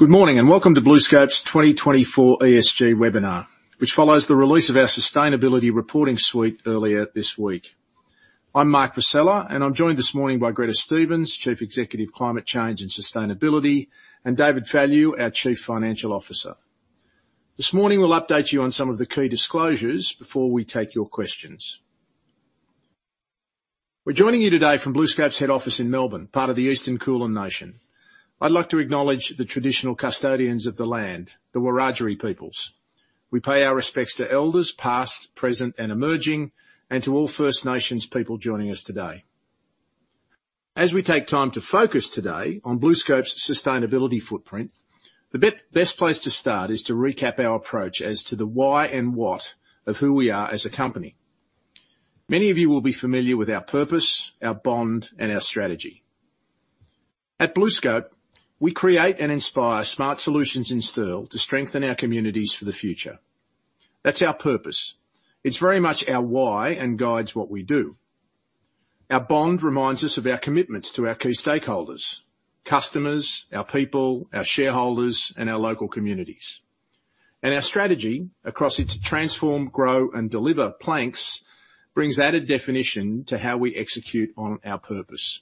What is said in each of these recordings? Good morning, and welcome to BlueScope's 2024 ESG webinar, which follows the release of our sustainability reporting suite earlier this week. I'm Mark Vassella, and I'm joined this morning by Gretta Stephens, Chief Executive, Climate Change and Sustainability, and David Fallu, our Chief Financial Officer. This morning, we'll update you on some of the key disclosures before we take your questions. We're joining you today from BlueScope's head office in Melbourne, part of the Eastern Kulin Nation. I'd like to acknowledge the traditional custodians of the land, the Wurundjeri peoples. We pay our respects to elders, past, present, and emerging, and to all First Nations people joining us today. As we take time to focus today on BlueScope's sustainability footprint, the best place to start is to recap our approach as to the why and what of who we are as a company. Many of you will be familiar with our purpose, our bond, and our strategy. At BlueScope, we create and inspire smart solutions in steel to strengthen our communities for the future. That's our purpose. It's very much our why and guides what we do. Our bond reminds us of our commitments to our key stakeholders, customers, our people, our shareholders, and our local communities, and our strategy across its transform, grow, and deliver planks, brings added definition to how we execute on our purpose.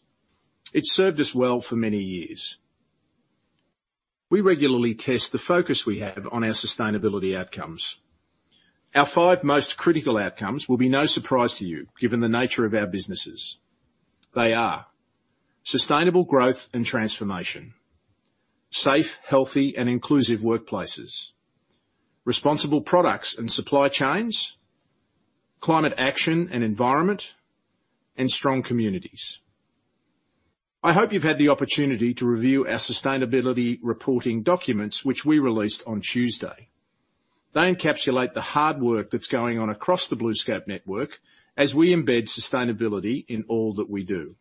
It's served us well for many years. We regularly test the focus we have on our sustainability outcomes. Our five most critical outcomes will be no surprise to you, given the nature of our businesses. They are: sustainable growth and transformation, safe, healthy, and inclusive workplaces, responsible products and supply chains, climate action and environment, and strong communities. I hope you've had the opportunity to review our sustainability reporting documents, which we released on Tuesday. They encapsulate the hard work that's going on across the BlueScope network as we embed sustainability in all that we do.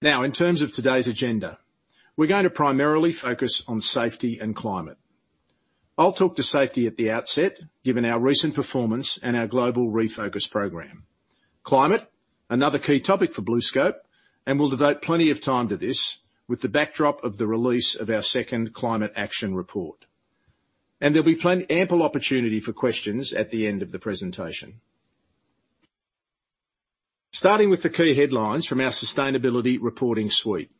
Now, in terms of today's agenda, we're going to primarily focus on safety and climate. I'll talk to safety at the outset, given our recent performance and our global refocus program. Climate, another key topic for BlueScope, and we'll devote plenty of time to this with the backdrop of the release of our second climate action report. And there'll be ample opportunity for questions at the end of the presentation. Starting with the key headlines from our sustainability reporting suite.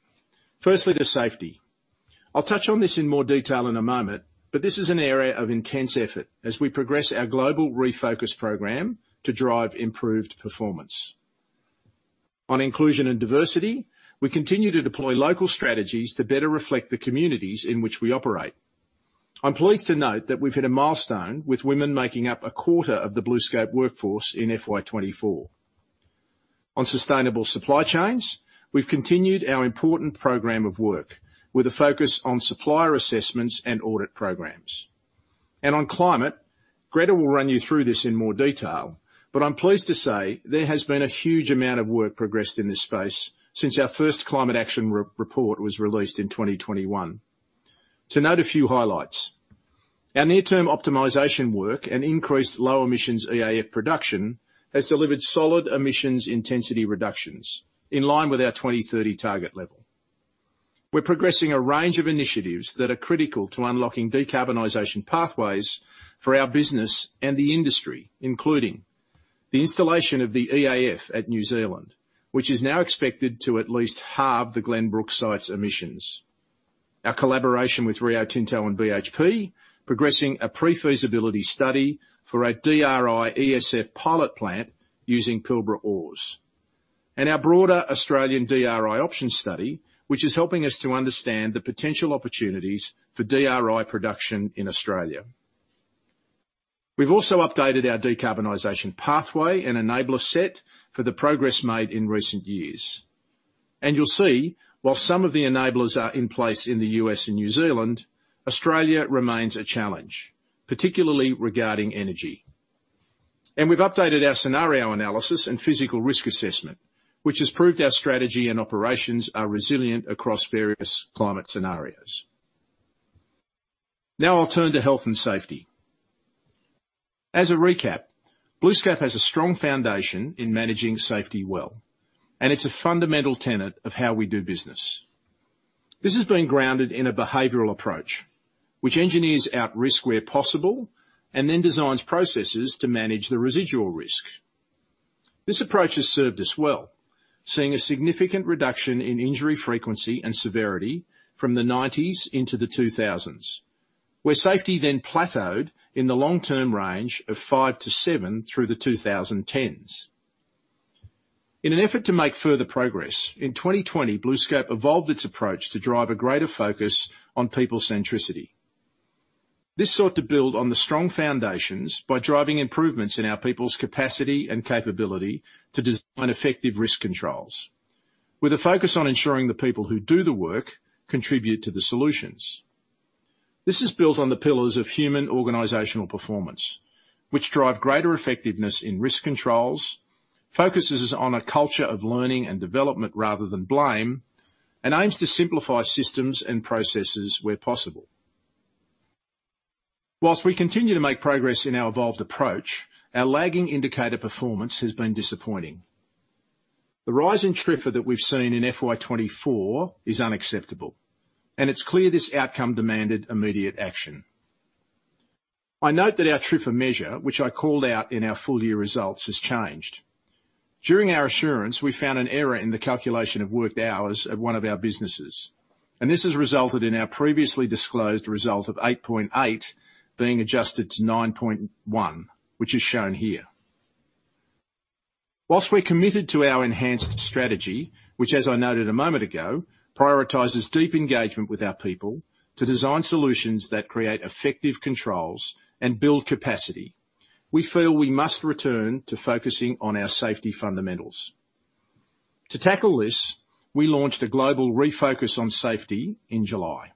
Firstly, to safety. I'll touch on this in more detail in a moment, but this is an area of intense effort as we progress our global refocus program to drive improved performance. On inclusion and diversity, we continue to deploy local strategies to better reflect the communities in which we operate. I'm pleased to note that we've hit a milestone with women making up a quarter of the BlueScope workforce in FY 2024. On sustainable supply chains, we've continued our important program of work, with a focus on supplier assessments and audit programs. And on climate, Gretta will run you through this in more detail, but I'm pleased to say there has been a huge amount of work progressed in this space since our first climate action report was released in 2021. To note a few highlights: Our near-term optimization work and increased low-emissions EAF production has delivered solid emissions intensity reductions in line with our 2030 target level. We're progressing a range of initiatives that are critical to unlocking decarbonization pathways for our business and the industry, including the installation of the EAF at New Zealand, which is now expected to at least halve the Glenbrook site's emissions. Our collaboration with Rio Tinto and BHP, progressing a pre-feasibility study for a DRI ESF pilot plant using Pilbara ores. And our broader Australian DRI option study, which is helping us to understand the potential opportunities for DRI production in Australia. We've also updated our decarbonization pathway and enabler set for the progress made in recent years, and you'll see, while some of the enablers are in place in the US and New Zealand, Australia remains a challenge, particularly regarding energy. We’ve updated our scenario analysis and physical risk assessment, which has proved our strategy and operations are resilient across various climate scenarios. Now I’ll turn to health and safety. As a recap, BlueScope has a strong foundation in managing safety well, and it’s a fundamental tenet of how we do business. This has been grounded in a behavioral approach, which engineers out risk where possible and then designs processes to manage the residual risk. This approach has served us well, seeing a significant reduction in injury frequency and severity from the 1990s into the 2000s, where safety then plateaued in the long-term range of five to seven through the 2010s. In an effort to make further progress, in 2020, BlueScope evolved its approach to drive a greater focus on people centricity. This sought to build on the strong foundations by driving improvements in our people's capacity and capability to design effective risk controls, with a focus on ensuring the people who do the work contribute to the solutions. This is built on the pillars of human organizational performance, which drive greater effectiveness in risk controls, focuses on a culture of learning and development rather than blame, and aims to simplify systems and processes where possible. While we continue to make progress in our evolved approach, our lagging indicator performance has been disappointing. The rise in TRIFR that we've seen in FY 2024 is unacceptable, and it's clear this outcome demanded immediate action. I note that our TRIFR measure, which I called out in our full year results, has changed. During our assurance, we found an error in the calculation of worked hours at one of our businesses, and this has resulted in our previously disclosed result of 8.8 being adjusted to 9.1, which is shown here. While we're committed to our enhanced strategy, which, as I noted a moment ago, prioritizes deep engagement with our people to design solutions that create effective controls and build capacity, we feel we must return to focusing on our safety fundamentals. To tackle this, we launched a global refocus on safety in July.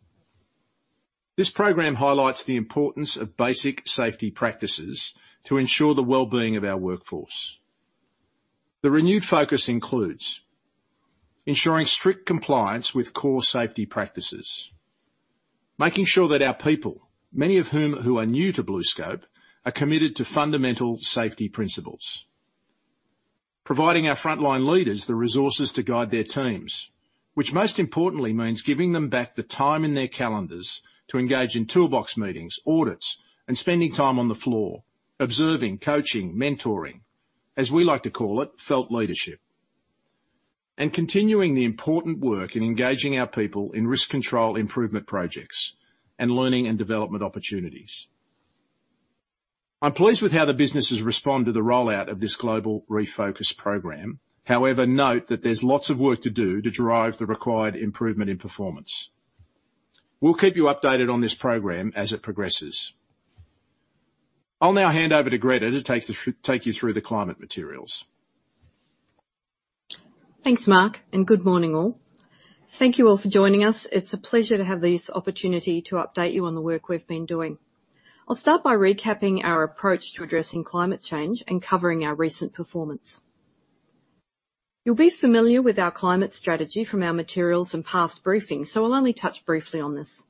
This program highlights the importance of basic safety practices to ensure the well-being of our workforce. The renewed focus includes ensuring strict compliance with core safety practices, making sure that our people, many of whom who are new to BlueScope, are committed to fundamental safety principles. Providing our frontline leaders the resources to guide their teams, which most importantly, means giving them back the time in their calendars to engage in toolbox meetings, audits, and spending time on the floor, observing, coaching, mentoring, as we like to call it, felt leadership, and continuing the important work in engaging our people in risk control improvement projects and learning and development opportunities. I'm pleased with how the business has responded to the rollout of this global refocus program. However, note that there's lots of work to do to drive the required improvement in performance. We'll keep you updated on this program as it progresses. I'll now hand over to Gretta to take you through the climate materials. Thanks, Mark, and good morning, all. Thank you all for joining us. It's a pleasure to have this opportunity to update you on the work we've been doing. I'll start by recapping our approach to addressing climate change and covering our recent performance. You'll be familiar with our climate strategy from our materials and past briefings, so I'll only touch briefly on this.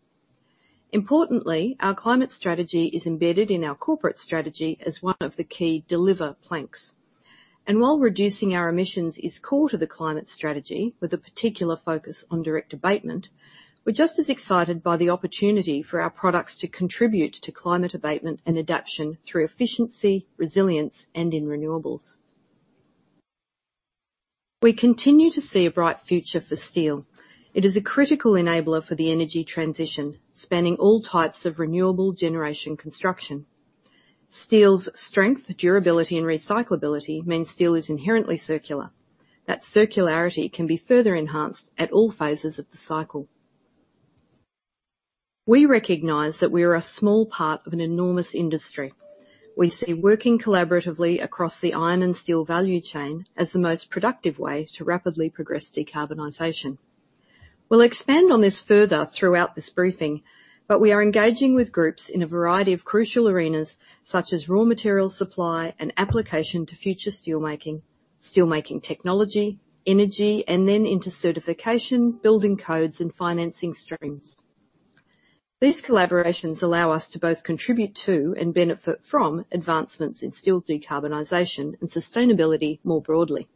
Importantly, our climate strategy is embedded in our corporate strategy as one of the key delivery planks, and while reducing our emissions is core to the climate strategy, with a particular focus on direct abatement, we're just as excited by the opportunity for our products to contribute to climate abatement and adaptation through efficiency, resilience, and in renewables. We continue to see a bright future for steel. It is a critical enabler for the energy transition, spanning all types of renewable generation construction. Steel's strength, durability, and recyclability mean steel is inherently circular. That circularity can be further enhanced at all phases of the cycle. We recognize that we are a small part of an enormous industry. We see working collaboratively across the iron and steel value chain as the most productive way to rapidly progress decarbonization. We'll expand on this further throughout this briefing, but we are engaging with groups in a variety of crucial arenas, such as raw material supply and application to future steel making, steel making technology, energy, and then into certification, building codes, and financing streams. These collaborations allow us to both contribute to and benefit from advancements in steel decarbonization and sustainability more broadly.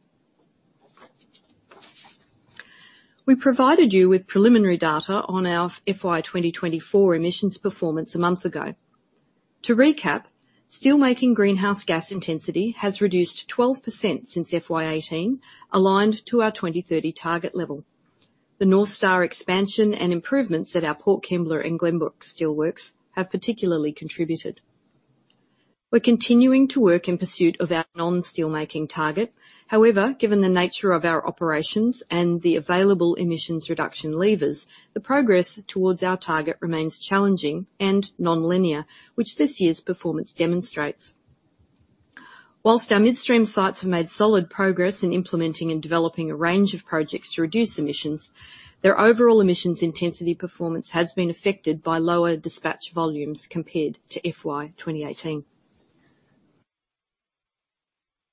We provided you with preliminary data on our FY 2024 emissions performance a month ago. To recap, steelmaking greenhouse gas intensity has reduced 12% since FY 2018, aligned to our 2030 target level. The North Star expansion and improvements at our Port Kembla and Glenbrook Steelworks have particularly contributed. We're continuing to work in pursuit of our non-steel making target. However, given the nature of our operations and the available emissions reduction levers, the progress towards our target remains challenging and nonlinear, which this year's performance demonstrates. While our midstream sites have made solid progress in implementing and developing a range of projects to reduce emissions, their overall emissions intensity performance has been affected by lower dispatch volumes compared to FY 2018.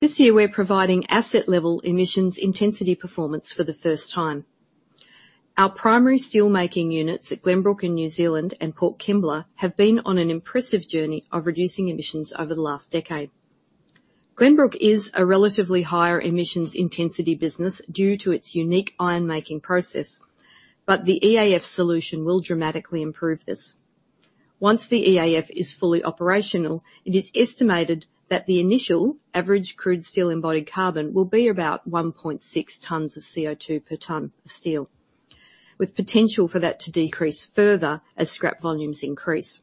This year, we're providing asset-level emissions intensity performance for the first time. Our primary steelmaking units at Glenbrook and New Zealand and Port Kembla have been on an impressive journey of reducing emissions over the last decade. Glenbrook is a relatively higher emissions intensity business due to its unique iron-making process, but the EAF solution will dramatically improve this. Once the EAF is fully operational, it is estimated that the initial average crude steel embodied carbon will be about 1.6 tons of CO2 per ton of steel, with potential for that to decrease further as scrap volumes increase.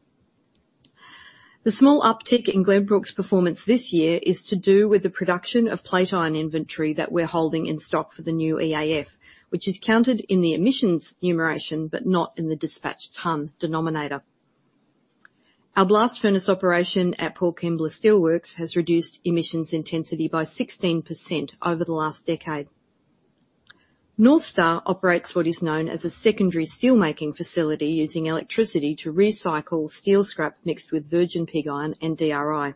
The small uptick in Glenbrook's performance this year is to do with the production of plate iron inventory that we're holding in stock for the new EAF, which is counted in the emissions enumeration, but not in the dispatched ton denominator. Our blast furnace operation at Port Kembla Steelworks has reduced emissions intensity by 16% over the last decade. North Star operates what is known as a secondary steelmaking facility, using electricity to recycle steel scrap mixed with virgin pig iron and DRI.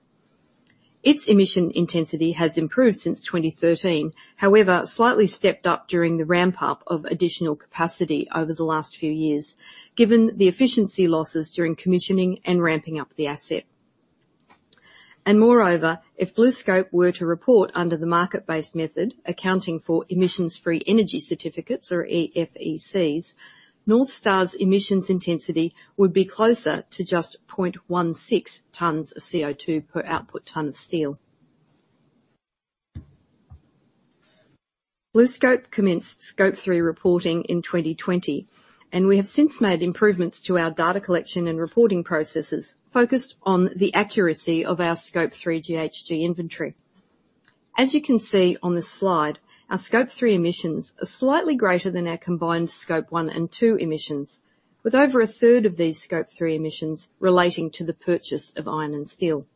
Its emission intensity has improved since 2013. However, it slightly stepped up during the ramp-up of additional capacity over the last few years, given the efficiency losses during commissioning and ramping up the asset. Moreover, if BlueScope were to report under the market-based method, accounting for emissions-free energy certificates, or EFECs, North Star's emissions intensity would be closer to just 0.16 tons of CO2 per output ton of steel. BlueScope commenced Scope 3 reporting in 2020, and we have since made improvements to our data collection and reporting processes, focused on the accuracy of our Scope 3 GHG inventory. As you can see on this slide, our Scope 3 emissions are slightly greater than our combined Scope 1 and 2 emissions, with over a third of these Scope 3 emissions relating to the purchase of iron and steel.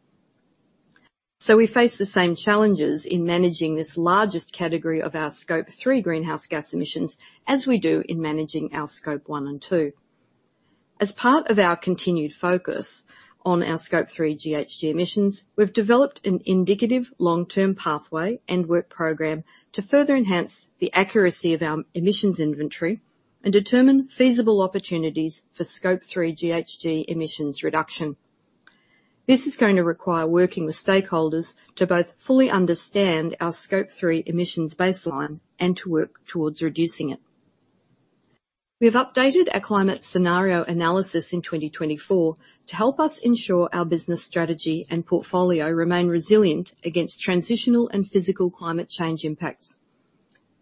So we face the same challenges in managing this largest category of our Scope 3 greenhouse gas emissions, as we do in managing our Scope 1 and 2. As part of our continued focus on our Scope 3 GHG emissions, we've developed an indicative long-term pathway and work program to further enhance the accuracy of our emissions inventory and determine feasible opportunities for Scope 3 GHG emissions reduction. This is going to require working with stakeholders to both fully understand our Scope 3 emissions baseline and to work towards reducing it. We've updated our climate scenario analysis in 2024 to help us ensure our business strategy and portfolio remain resilient against transitional and physical climate change impacts.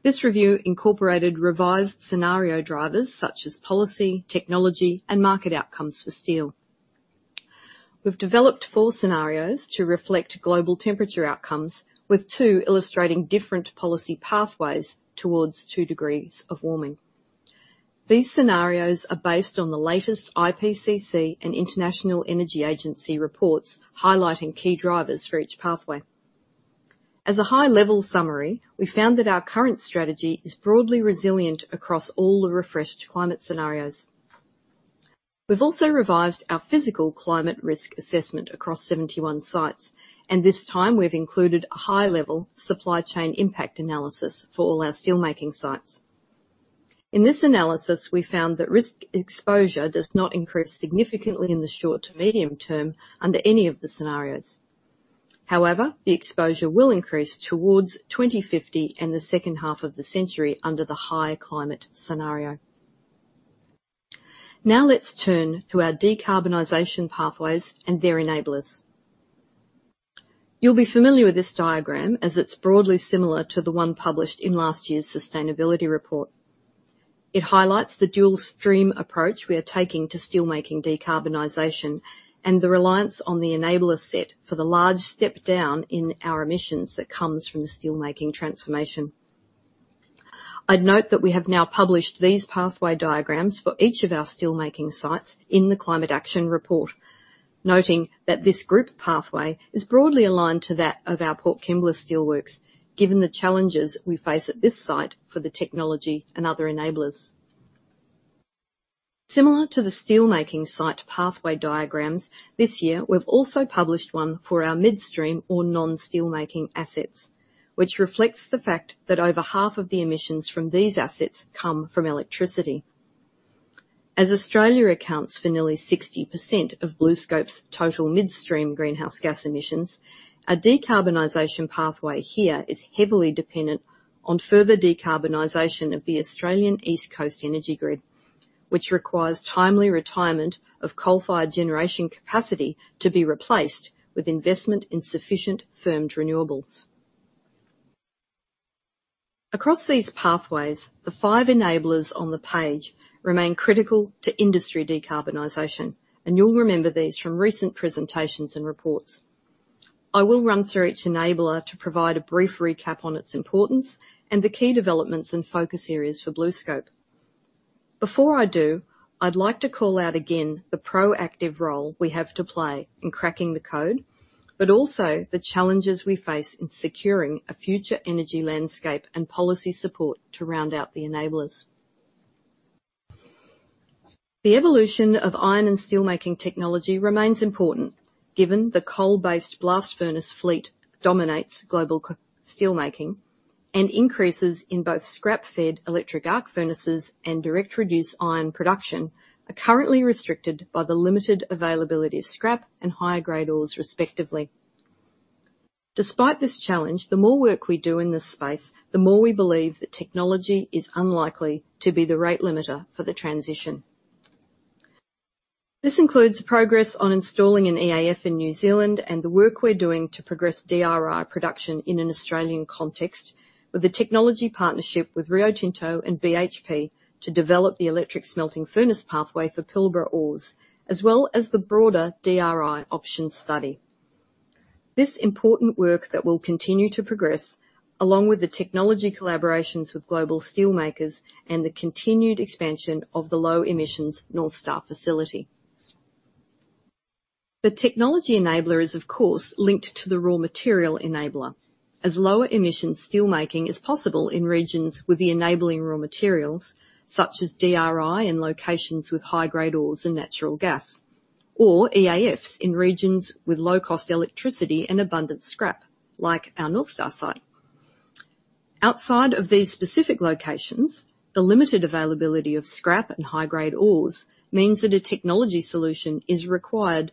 This review incorporated revised scenario drivers such as policy, technology, and market outcomes for steel. We've developed four scenarios to reflect global temperature outcomes, with two illustrating different policy pathways towards two degrees of warming. These scenarios are based on the latest IPCC and International Energy Agency reports, highlighting key drivers for each pathway. As a high-level summary, we found that our current strategy is broadly resilient across all the refreshed climate scenarios. We've also revised our physical climate risk assessment across 71 sites, and this time we've included a high-level supply chain impact analysis for all our steelmaking sites. In this analysis, we found that risk exposure does not increase significantly in the short to medium term under any of the scenarios. However, the exposure will increase towards 2050 and the second half of the century under the high climate scenario. Now, let's turn to our decarbonization pathways and their enablers. You'll be familiar with this diagram, as it's broadly similar to the one published in last year's sustainability report. It highlights the dual-stream approach we are taking to steelmaking decarbonization, and the reliance on the enabler set for the large step down in our emissions that comes from the steelmaking transformation. I'd note that we have now published these pathway diagrams for each of our steelmaking sites in the Climate Action Report, noting that this group pathway is broadly aligned to that of our Port Kembla Steelworks, given the challenges we face at this site for the technology and other enablers. Similar to the steelmaking site pathway diagrams, this year, we've also published one for our midstream or non-steelmaking assets, which reflects the fact that over half of the emissions from these assets come from electricity. As Australia accounts for nearly 60% of BlueScope's total midstream greenhouse gas emissions, our decarbonization pathway here is heavily dependent on further decarbonization of the Australian East Coast Energy Grid, which requires timely retirement of coal-fired generation capacity to be replaced with investment in sufficient firmed renewables. Across these pathways, the five enablers on the page remain critical to industry decarbonization, and you'll remember these from recent presentations and reports. I will run through each enabler to provide a brief recap on its importance and the key developments and focus areas for BlueScope. Before I do, I'd like to call out again the proactive role we have to play in cracking the code, but also the challenges we face in securing a future energy landscape and policy support to round out the enablers. The evolution of iron and steelmaking technology remains important, given the coal-based blast furnace fleet dominates global steelmaking, and increases in both scrap-fed electric arc furnaces and direct reduced iron production are currently restricted by the limited availability of scrap and higher-grade ores, respectively. Despite this challenge, the more work we do in this space, the more we believe that technology is unlikely to be the rate limiter for the transition. This includes progress on installing an EAF in New Zealand and the work we're doing to progress DRI production in an Australian context, with a technology partnership with Rio Tinto and BHP to develop the electric smelting furnace pathway for Pilbara ores, as well as the broader DRI option study. This important work that will continue to progress, along with the technology collaborations with global steelmakers and the continued expansion of the low-emissions North Star facility. The technology enabler is, of course, linked to the raw material enabler, as lower emission steelmaking is possible in regions with the enabling raw materials, such as DRI, in locations with high-grade ores and natural gas, or EAFs in regions with low-cost electricity and abundant scrap, like our North Star site. Outside of these specific locations, the limited availability of scrap and high-grade ores means that a technology solution is required to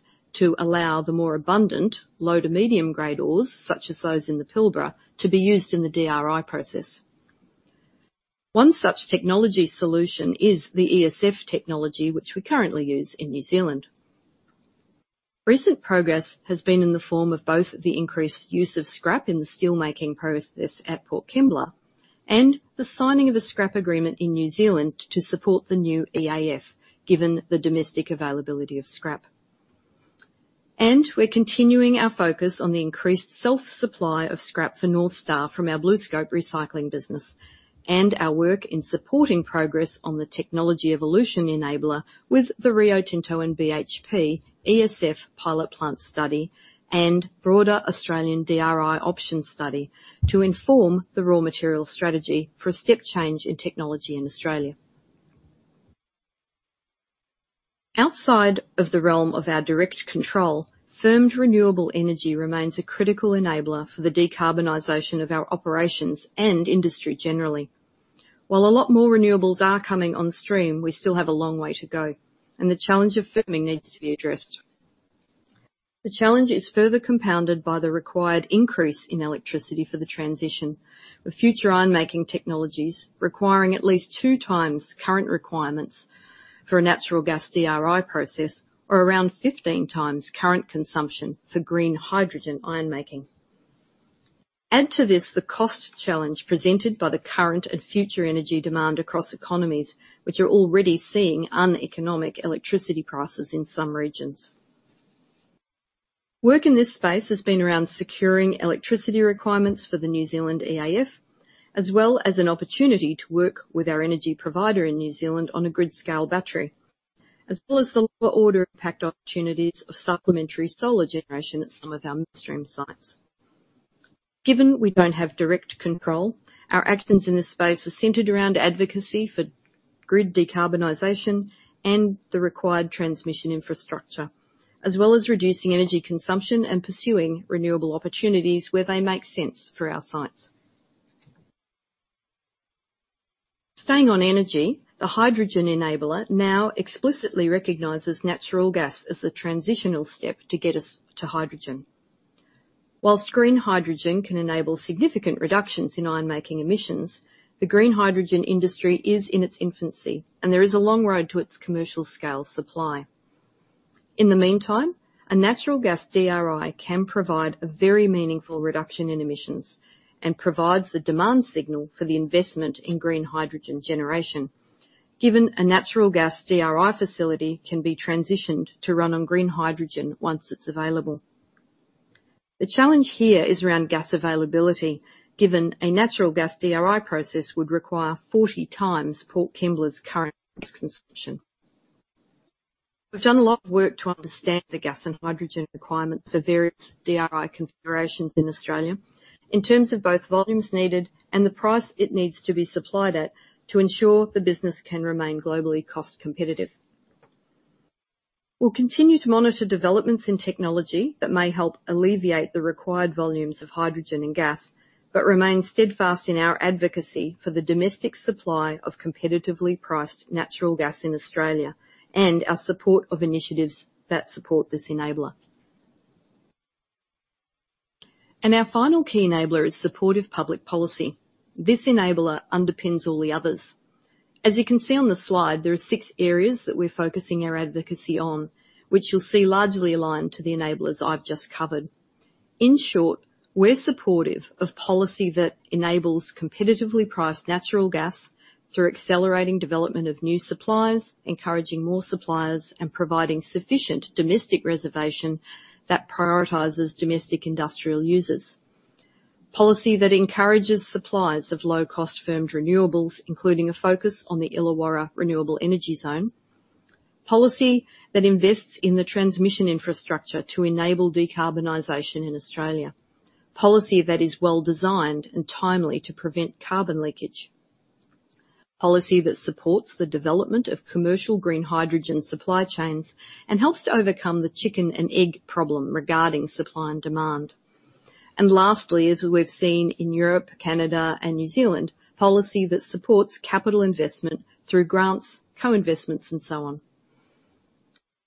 allow the more abundant low to medium-grade ores, such as those in the Pilbara, to be used in the DRI process. One such technology solution is the ESF technology, which we currently use in New Zealand. Recent progress has been in the form of both the increased use of scrap in the steelmaking process at Port Kembla and the signing of a scrap agreement in New Zealand to support the new EAF, given the domestic availability of scrap. We're continuing our focus on the increased self-supply of scrap for North Star from our BlueScope Recycling business, and our work in supporting progress on the technology evolution enabler with the Rio Tinto and BHP ESF pilot plant study and broader Australian DRI option study to inform the raw material strategy for a step change in technology in Australia. Outside of the realm of our direct control, firmed renewable energy remains a critical enabler for the decarbonization of our operations and industry generally. While a lot more renewables are coming on stream, we still have a long way to go, and the challenge of firming needs to be addressed. The challenge is further compounded by the required increase in electricity for the transition, with future iron making technologies requiring at least two times current requirements for a natural gas DRI process, or around fifteen times current consumption for green hydrogen iron making. Add to this, the cost challenge presented by the current and future energy demand across economies, which are already seeing uneconomic electricity prices in some regions. Work in this space has been around securing electricity requirements for the New Zealand EAF, as well as an opportunity to work with our energy provider in New Zealand on a grid-scale battery, as well as the lower order impact opportunities of supplementary solar generation at some of our midstream sites. Given we don't have direct control, our actions in this space are centered around advocacy for grid decarbonization and the required transmission infrastructure, as well as reducing energy consumption and pursuing renewable opportunities where they make sense for our sites. Staying on energy, the hydrogen enabler now explicitly recognizes natural gas as the transitional step to get us to hydrogen. While green hydrogen can enable significant reductions in iron making emissions, the green hydrogen industry is in its infancy, and there is a long road to its commercial scale supply. In the meantime, a natural gas DRI can provide a very meaningful reduction in emissions and provides the demand signal for the investment in green hydrogen generation, given a natural gas DRI facility can be transitioned to run on green hydrogen once it's available. The challenge here is around gas availability, given a natural gas DRI process would require forty times Port Kembla's current gas consumption. We've done a lot of work to understand the gas and hydrogen requirement for various DRI configurations in Australia in terms of both volumes needed and the price it needs to be supplied at to ensure the business can remain globally cost competitive. We'll continue to monitor developments in technology that may help alleviate the required volumes of hydrogen and gas, but remain steadfast in our advocacy for the domestic supply of competitively priced natural gas in Australia and our support of initiatives that support this enabler. And our final key enabler is supportive public policy. This enabler underpins all the others. As you can see on the slide, there are six areas that we're focusing our advocacy on, which you'll see largely aligned to the enablers I've just covered. In short, we're supportive of policy that enables competitively priced natural gas through accelerating development of new suppliers, encouraging more suppliers, and providing sufficient domestic reservation that prioritizes domestic industrial users. Policy that encourages suppliers of low-cost firmed renewables, including a focus on the Illawarra Renewable Energy Zone. Policy that invests in the transmission infrastructure to enable decarbonization in Australia. Policy that is well-designed and timely to prevent carbon leakage. Policy that supports the development of commercial green hydrogen supply chains and helps to overcome the chicken and egg problem regarding supply and demand. And lastly, as we've seen in Europe, Canada, and New Zealand, policy that supports capital investment through grants, co-investments, and so on.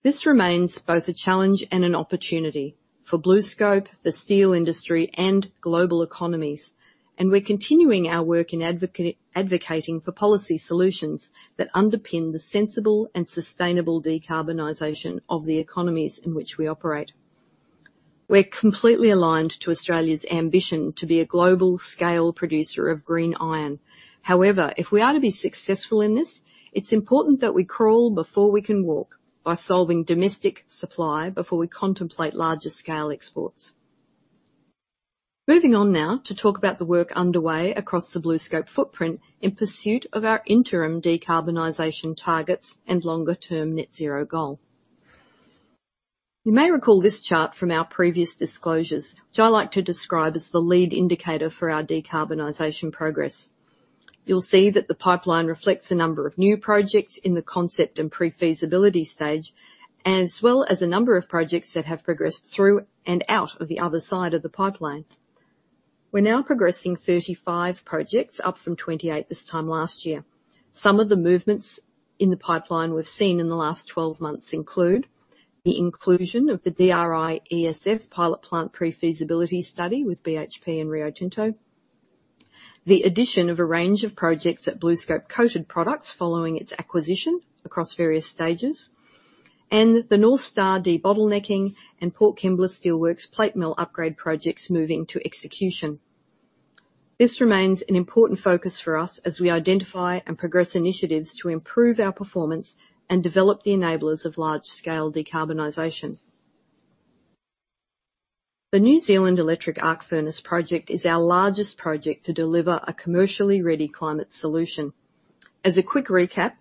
This remains both a challenge and an opportunity for BlueScope, the steel industry, and global economies, and we're continuing our work in advocating for policy solutions that underpin the sensible and sustainable decarbonization of the economies in which we operate. We're completely aligned to Australia's ambition to be a global-scale producer of green iron. However, if we are to be successful in this, it's important that we crawl before we can walk, by solving domestic supply before we contemplate larger scale exports. Moving on now to talk about the work underway across the BlueScope footprint in pursuit of our interim decarbonization targets and longer-term net zero goal. You may recall this chart from our previous disclosures, which I like to describe as the lead indicator for our decarbonization progress. You'll see that the pipeline reflects a number of new projects in the concept and pre-feasibility stage, as well as a number of projects that have progressed through and out of the other side of the pipeline. We're now progressing 35 projects, up from 28 this time last year. Some of the movements in the pipeline we've seen in the last 12 months include: the inclusion of the DRI-ESF pilot plant pre-feasibility study with BHP and Rio Tinto, the addition of a range of projects at BlueScope Coated Products, following its acquisition across various stages, and the North Star debottlenecking and Port Kembla Steelworks plate mill upgrade projects moving to execution. This remains an important focus for us as we identify and progress initiatives to improve our performance and develop the enablers of large-scale decarbonization. The New Zealand Electric Arc Furnace project is our largest project to deliver a commercially ready climate solution. As a quick recap,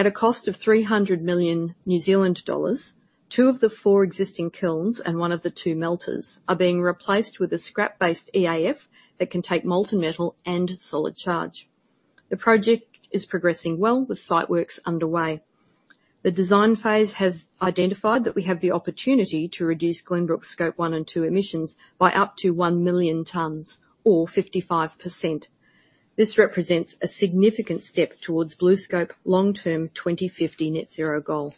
at a cost of 300 million New Zealand dollars, two of the four existing kilns and one of the two melters are being replaced with a scrap-based EAF that can take molten metal and solid charge. The project is progressing well, with site works underway. The design phase has identified that we have the opportunity to reduce Glenbrook Scope 1 and 2 emissions by up to 1 million tons, or 55%. This represents a significant step towards BlueScope long-term 2050 net zero goal.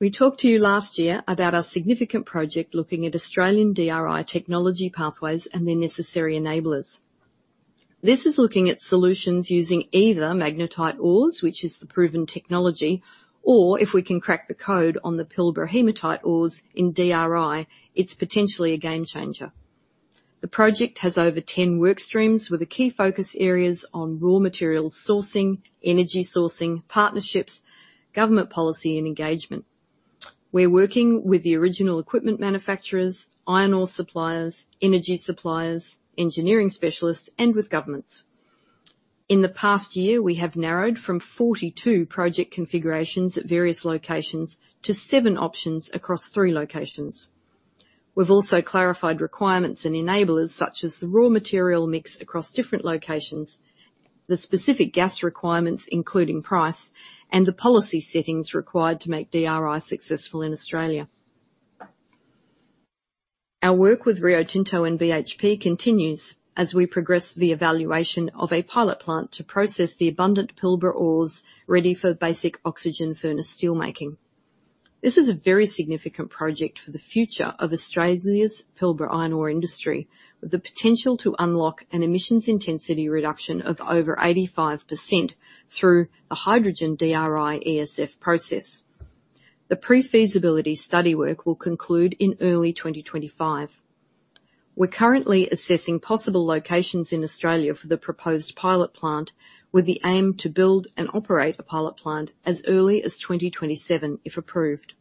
We talked to you last year about our significant project looking at Australian DRI technology pathways and their necessary enablers. This is looking at solutions using either magnetite ores, which is the proven technology, or if we can crack the code on the Pilbara hematite ores in DRI, it's potentially a game changer. The project has over 10 work streams, with the key focus areas on raw material sourcing, energy sourcing, partnerships, government policy, and engagement. We're working with the original equipment manufacturers, iron ore suppliers, energy suppliers, engineering specialists, and with governments. In the past year, we have narrowed from 42 project configurations at various locations to seven options across three locations. We've also clarified requirements and enablers, such as the raw material mix across different locations, the specific gas requirements, including price, and the policy settings required to make DRI successful in Australia. Our work with Rio Tinto and BHP continues as we progress the evaluation of a pilot plant to process the abundant Pilbara ores ready for basic oxygen furnace steelmaking. This is a very significant project for the future of Australia's Pilbara iron ore industry, with the potential to unlock an emissions intensity reduction of over 85% through the hydrogen DRI ESF process. The pre-feasibility study work will conclude in early 2025. We're currently assessing possible locations in Australia for the proposed pilot plant, with the aim to build and operate a pilot plant as early as 2027, if approved.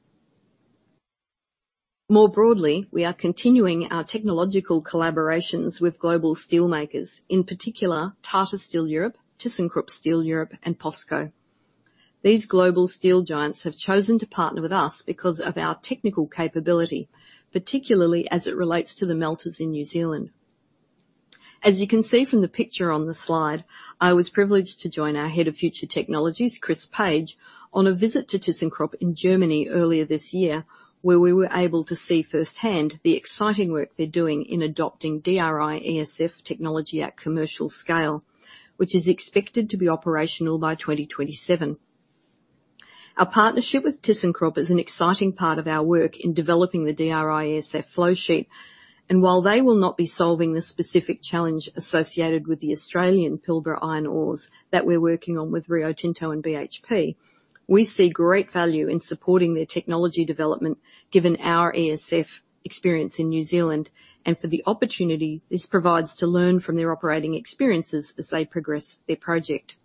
More broadly, we are continuing our technological collaborations with global steelmakers, in particular, Tata Steel Europe, Thyssenkrupp Steel Europe, and POSCO. These global steel giants have chosen to partner with us because of our technical capability, particularly as it relates to the melters in New Zealand. As you can see from the picture on the slide, I was privileged to join our Head of Future Technologies, Chris Page, on a visit to Thyssenkrupp in Germany earlier this year, where we were able to see firsthand the exciting work they're doing in adopting DRI-ESF technology at commercial scale, which is expected to be operational by 2027. Our partnership with Thyssenkrupp is an exciting part of our work in developing the DRI-ESF flow sheet, and while they will not be solving the specific challenge associated with the Australian Pilbara iron ores that we're working on with Rio Tinto and BHP, we see great value in supporting their technology development, given our ESF experience in New Zealand, and for the opportunity this provides to learn from their operating experiences as they progress their project.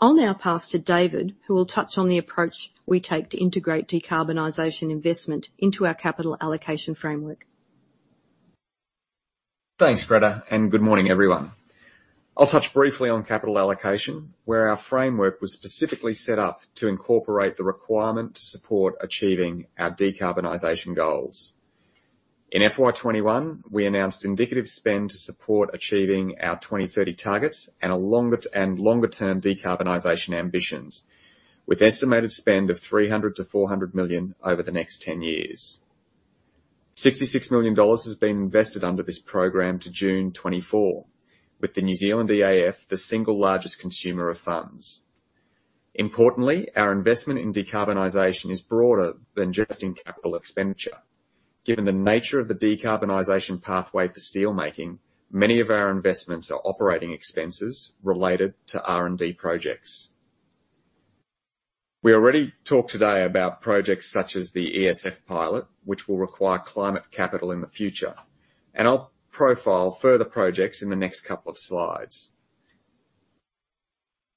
I'll now pass to David, who will touch on the approach we take to integrate decarbonization investment into our capital allocation framework. Thanks, Gretta, and good morning, everyone. I'll touch briefly on capital allocation, where our framework was specifically set up to incorporate the requirement to support achieving our decarbonization goals. In FY 2021, we announced indicative spend to support achieving our 2030 targets and a longer- and longer-term decarbonization ambitions, with estimated spend of 300 million-400 million over the next ten years. 66 million dollars has been invested under this program to June 2024, with the New Zealand EAF, the single largest consumer of funds. Importantly, our investment in decarbonization is broader than just in capital expenditure. Given the nature of the decarbonization pathway for steelmaking, many of our investments are operating expenses related to R&D projects. We already talked today about projects such as the ESF pilot, which will require climate capital in the future, and I'll profile further projects in the next couple of slides.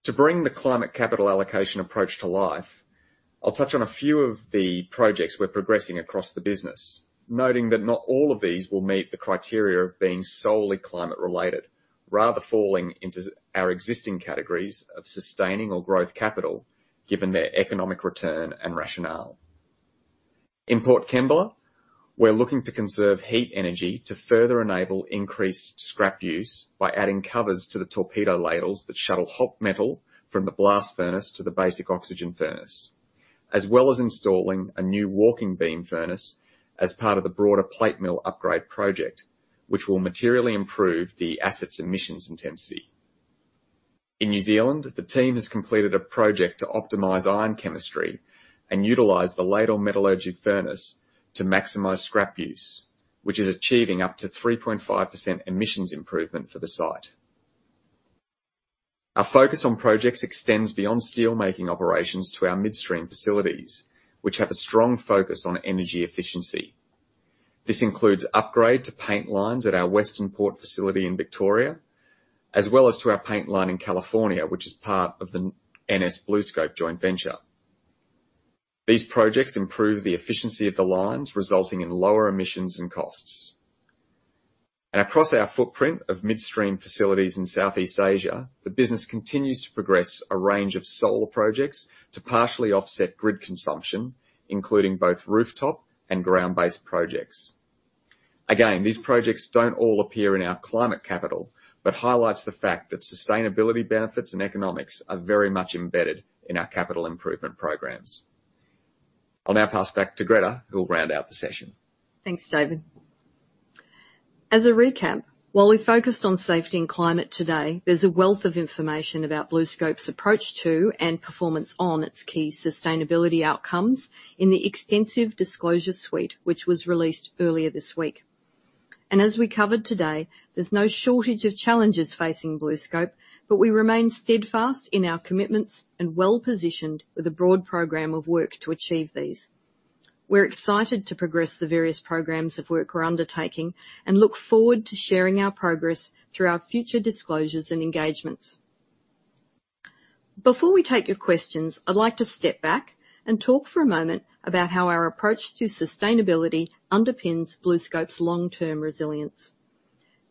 To bring the climate capital allocation approach to life, I'll touch on a few of the projects we're progressing across the business, noting that not all of these will meet the criteria of being solely climate-related, rather falling into our existing categories of sustaining or growth capital, given their economic return and rationale. In Port Kembla, we're looking to conserve heat energy to further enable increased scrap use by adding covers to the torpedo ladles that shuttle hot metal from the blast furnace to the basic oxygen furnace, as well as installing a new walking beam furnace as part of the broader plate mill upgrade project, which will materially improve the asset's emissions intensity. In New Zealand, the team has completed a project to optimize iron chemistry and utilize the ladle metallurgical furnace to maximize scrap use, which is achieving up to 3.5% emissions improvement for the site. Our focus on projects extends beyond steelmaking operations to our midstream facilities, which have a strong focus on energy efficiency. This includes upgrade to paint lines at our Western Port facility in Victoria, as well as to our paint line in California, which is part of the NS BlueScope joint venture. These projects improve the efficiency of the lines, resulting in lower emissions and costs. And across our footprint of midstream facilities in Southeast Asia, the business continues to progress a range of solar projects to partially offset grid consumption, including both rooftop and ground-based projects. Again, these projects don't all appear in our climate capital, but highlights the fact that sustainability benefits and economics are very much embedded in our capital improvement programs. I'll now pass back to Gretta, who will round out the session. Thanks, David. As a recap, while we focused on safety and climate today, there's a wealth of information about BlueScope's approach to, and performance on, its key sustainability outcomes in the extensive disclosure suite, which was released earlier this week. And as we covered today, there's no shortage of challenges facing BlueScope, but we remain steadfast in our commitments and well-positioned with a broad program of work to achieve these. We're excited to progress the various programs of work we're undertaking and look forward to sharing our progress through our future disclosures and engagements. Before we take your questions, I'd like to step back and talk for a moment about how our approach to sustainability underpins BlueScope's long-term resilience.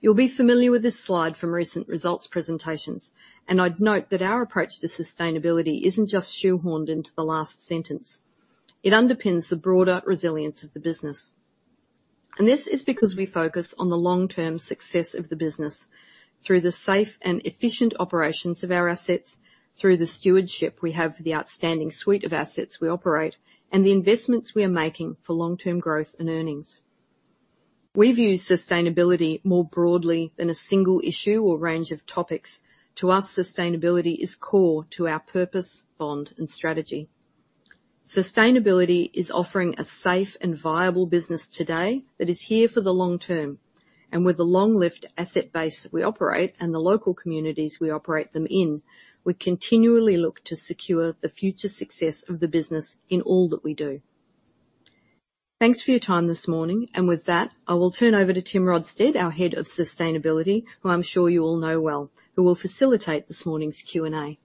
You'll be familiar with this slide from recent results presentations, and I'd note that our approach to sustainability isn't just shoehorned into the last sentence. It underpins the broader resilience of the business, and this is because we focus on the long-term success of the business through the safe and efficient operations of our assets, through the stewardship we have for the outstanding suite of assets we operate, and the investments we are making for long-term growth and earnings. We view sustainability more broadly than a single issue or range of topics. To us, sustainability is core to our purpose, bond, and strategy. Sustainability is offering a safe and viable business today that is here for the long term, and with the long-lived asset base that we operate and the local communities we operate them in, we continually look to secure the future success of the business in all that we do. Thanks for your time this morning, and with that, I will turn over to Tim Rodsted, our Head of Sustainability, who I'm sure you all know well, who will facilitate this morning's Q&A.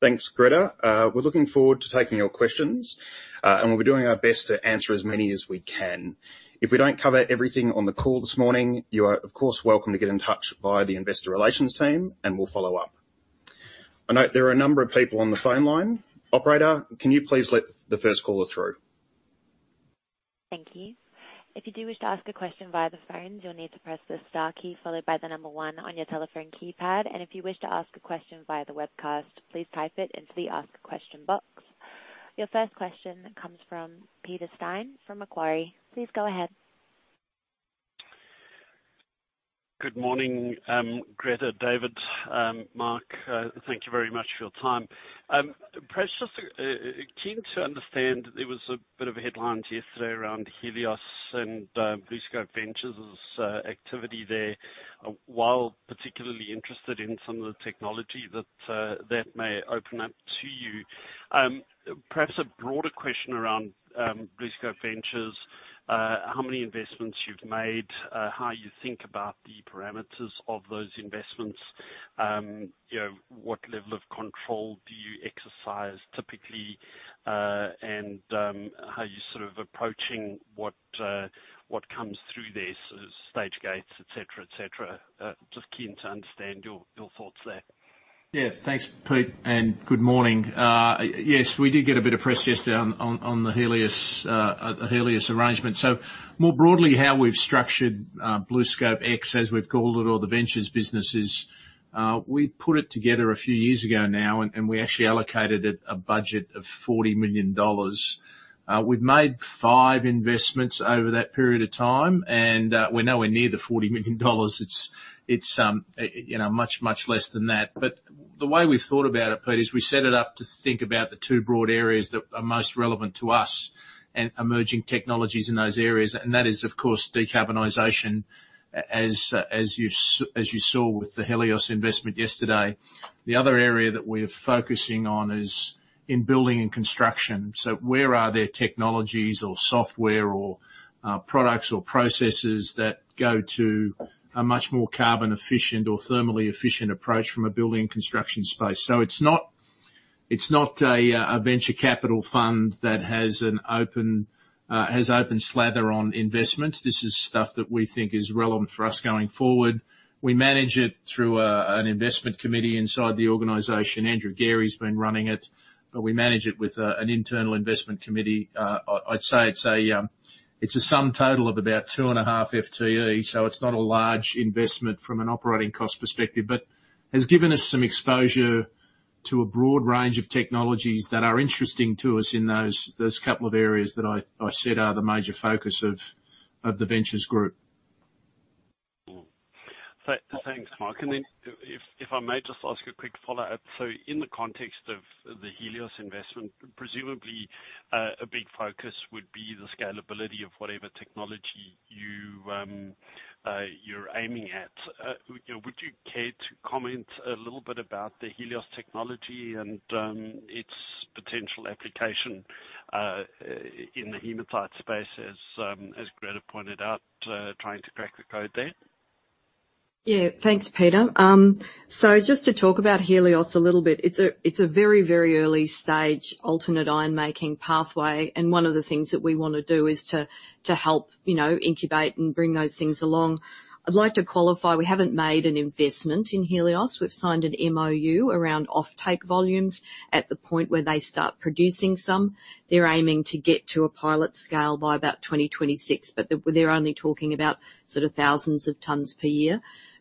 Thanks, Gretta. We're looking forward to taking your questions, and we'll be doing our best to answer as many as we can. If we don't cover everything on the call this morning, you are, of course, welcome to get in touch via the investor relations team, and we'll follow up. I note there are a number of people on the phone line. Operator, can you please let the first caller through? Thank you. If you do wish to ask a question via the phone, you'll need to press the star key followed by the number one on your telephone keypad, and if you wish to ask a question via the webcast, please type it into the Ask a Question box. Your first question comes from Peter Steyn, from Macquarie. Please go ahead. Good morning, Gretta, David, Mark, thank you very much for your time. Perhaps just keen to understand, there was a bit of a headline yesterday around Helios and BlueScope Ventures' activity there, while particularly interested in some of the technology that may open up to you. Perhaps a broader question around BlueScope Ventures, how many investments you've made, how you think about the parameters of those investments. You know, what level of control do you exercise typically, and how are you sort of approaching what comes through there, so stage gates, et cetera, et cetera? Just keen to understand your thoughts there. Yeah, thanks, Pete, and good morning. Yes, we did get a bit of press yesterday on the Helios arrangement. So more broadly, how we've structured BlueScopeX, as we've called it, or the ventures business is we put it together a few years ago now, and we actually allocated it a budget of 40 million dollars. We've made five investments over that period of time, and we're nowhere near the 40 million dollars. It's you know, much less than that. But the way we've thought about it, Pete, is we set it up to think about the two broad areas that are most relevant to us and emerging technologies in those areas, and that is, of course, decarbonization, as you saw with the Helios investment yesterday. The other area that we're focusing on is in building and construction. So where are there technologies or software or, products or processes that go to a much more carbon-efficient or thermally efficient approach from a building and construction space? So it's not, it's not a, a venture capital fund that has an open slather on investments. This is stuff that we think is relevant for us going forward. We manage it through, an investment committee inside the organization. Andrew Geary's been running it, but we manage it with, an internal investment committee. I'd say it's a sum total of about two and a half FTE, so it's not a large investment from an operating cost perspective, but has given us some exposure to a broad range of technologies that are interesting to us in those couple of areas that I said are the major focus of the ventures group. Mm. Thanks, Mark. And then, if I may just ask a quick follow-up: So in the context of the Helios investment, presumably, a big focus would be the scalability of whatever technology you, you're aiming at. Would you care to comment a little bit about the Helios technology and, its potential application, in the hematite space, as, as Gretta pointed out, trying to crack the code there? Yeah, thanks, Peter. So just to talk about Helios a little bit, it's a very, very early-stage alternate iron-making pathway, and one of the things that we wanna do is to help, you know, incubate and bring those things along. I'd like to qualify, we haven't made an investment in Helios. We've signed an MOU around offtake volumes at the point where they start producing some. They're aiming to get to a pilot scale by about 2026, but they're only talking about sort of thousands of tons per year.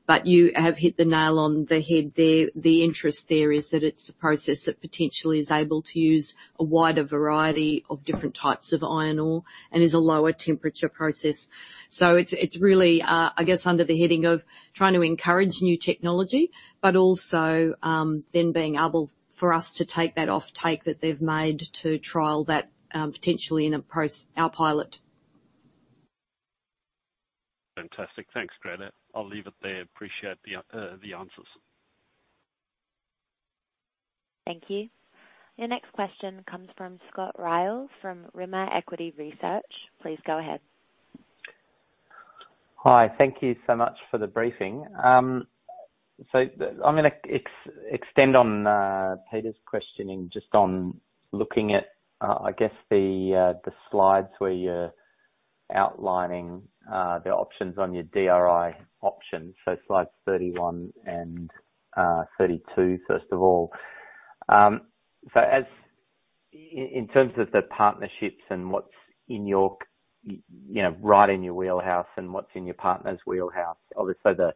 But you have hit the nail on the head there. The interest there is that it's a process that potentially is able to use a wider variety of different types of iron ore, and is a lower temperature process. So it's really, I guess, under the heading of trying to encourage new technology, but also then being able for us to take that offtake that they've made to trial that, potentially in a proc- our pilot. Fantastic. Thanks, Gretta. I'll leave it there. Appreciate the answers. Thank you. Your next question comes from Scott Ryall, from Rimor Equity Research. Please go ahead. Hi, thank you so much for the briefing. I'm gonna extend on Peter's questioning, just on looking at, I guess the slides where you're outlining the options on your DRI options, so slides 31 and 32, first of all. So as in terms of the partnerships and what's in your, you know, right in your wheelhouse and what's in your partner's wheelhouse, obviously the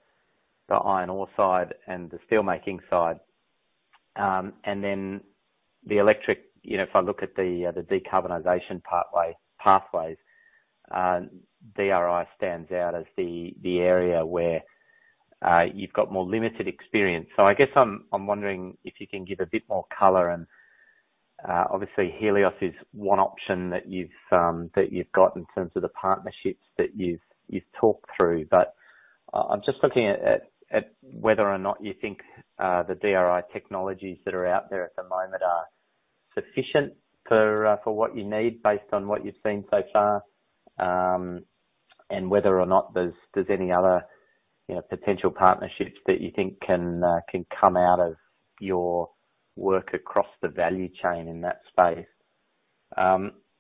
iron ore side and the steelmaking side, and then the electric. You know, if I look at the decarbonization pathways, DRI stands out as the area where you've got more limited experience. So I guess I'm wondering if you can give a bit more color and, obviously, Helios is one option that you've got in terms of the partnerships that you've talked through. But I'm just looking at whether or not you think the DRI technologies that are out there at the moment are sufficient for what you need based on what you've seen so far, and whether or not there's any other, you know, potential partnerships that you think can come out of your work across the value chain in that space.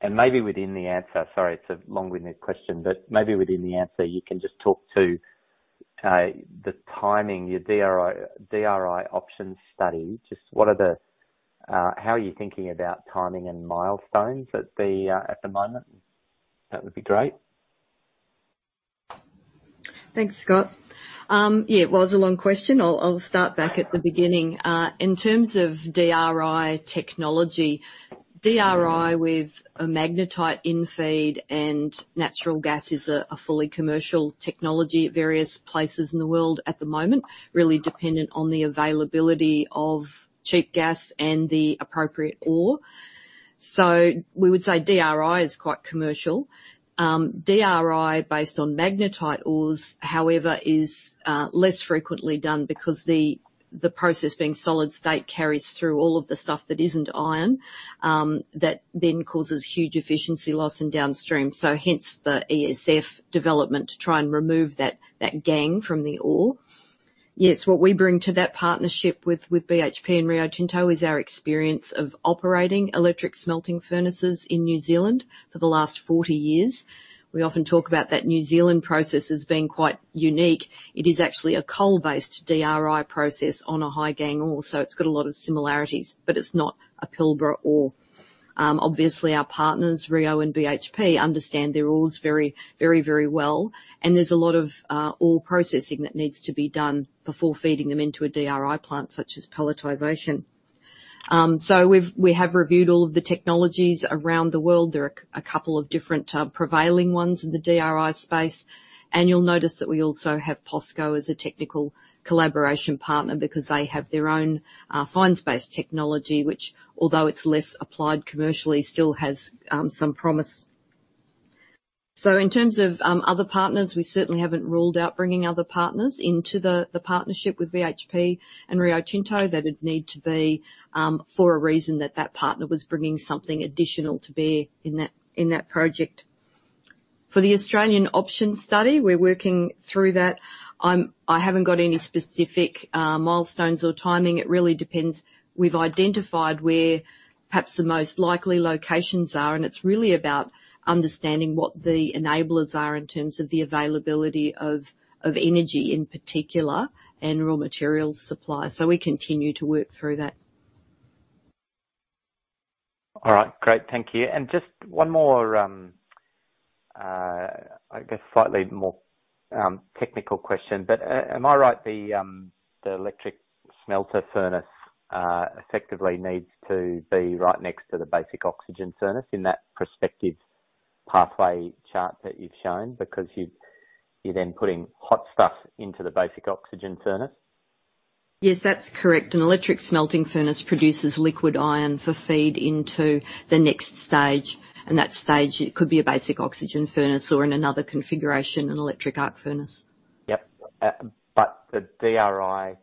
And maybe within the answer. Sorry, it's a long-winded question, but maybe within the answer, you can just talk to the timing, your DRI option study. How are you thinking about timing and milestones at the moment? That would be great. Thanks, Scott. Yeah, it was a long question. I'll start back at the beginning. In terms of DRI technology, DRI with a magnetite in feed and natural gas is a fully commercial technology at various places in the world at the moment, really dependent on the availability of cheap gas and the appropriate ore. So we would say DRI is quite commercial. DRI based on magnetite ores, however, is less frequently done because the process, being solid state, carries through all of the stuff that isn't iron that then causes huge efficiency loss in downstream, so hence the ESF development to try and remove that gangue from the ore. Yes, what we bring to that partnership with BHP and Rio Tinto is our experience of operating electric smelting furnaces in New Zealand for the last 40 years. We often talk about that New Zealand process as being quite unique. It is actually a coal-based DRI process on a high gangue ore, so it's got a lot of similarities, but it's not a Pilbara ore. Obviously, our partners, Rio and BHP, understand their ores very, very, very well, and there's a lot of ore processing that needs to be done before feeding them into a DRI plant, such as pelletization. So we've, we have reviewed all of the technologies around the world. There are a couple of different prevailing ones in the DRI space, and you'll notice that we also have POSCO as a technical collaboration partner because they have their own fines-based technology, which although it's less applied commercially, still has some promise. In terms of other partners, we certainly haven't ruled out bringing other partners into the partnership with BHP and Rio Tinto. That'd need to be for a reason that partner was bringing something additional to bear in that project. For the Australian option study, we're working through that. I haven't got any specific milestones or timing. It really depends. We've identified where perhaps the most likely locations are, and it's really about understanding what the enablers are in terms of the availability of energy in particular, and raw material supply. So we continue to work through that. All right, great. Thank you. And just one more, I guess, slightly more technical question, but am I right? The electric smelting furnace effectively needs to be right next to the basic oxygen furnace in that prospective pathway chart that you've shown? Because you're then putting hot stuff into the basic oxygen furnace. Yes, that's correct. An electric smelting furnace produces liquid iron for feed into the next stage, and that stage, it could be a basic oxygen furnace or in another configuration, an electric arc furnace. Yep. But the DRI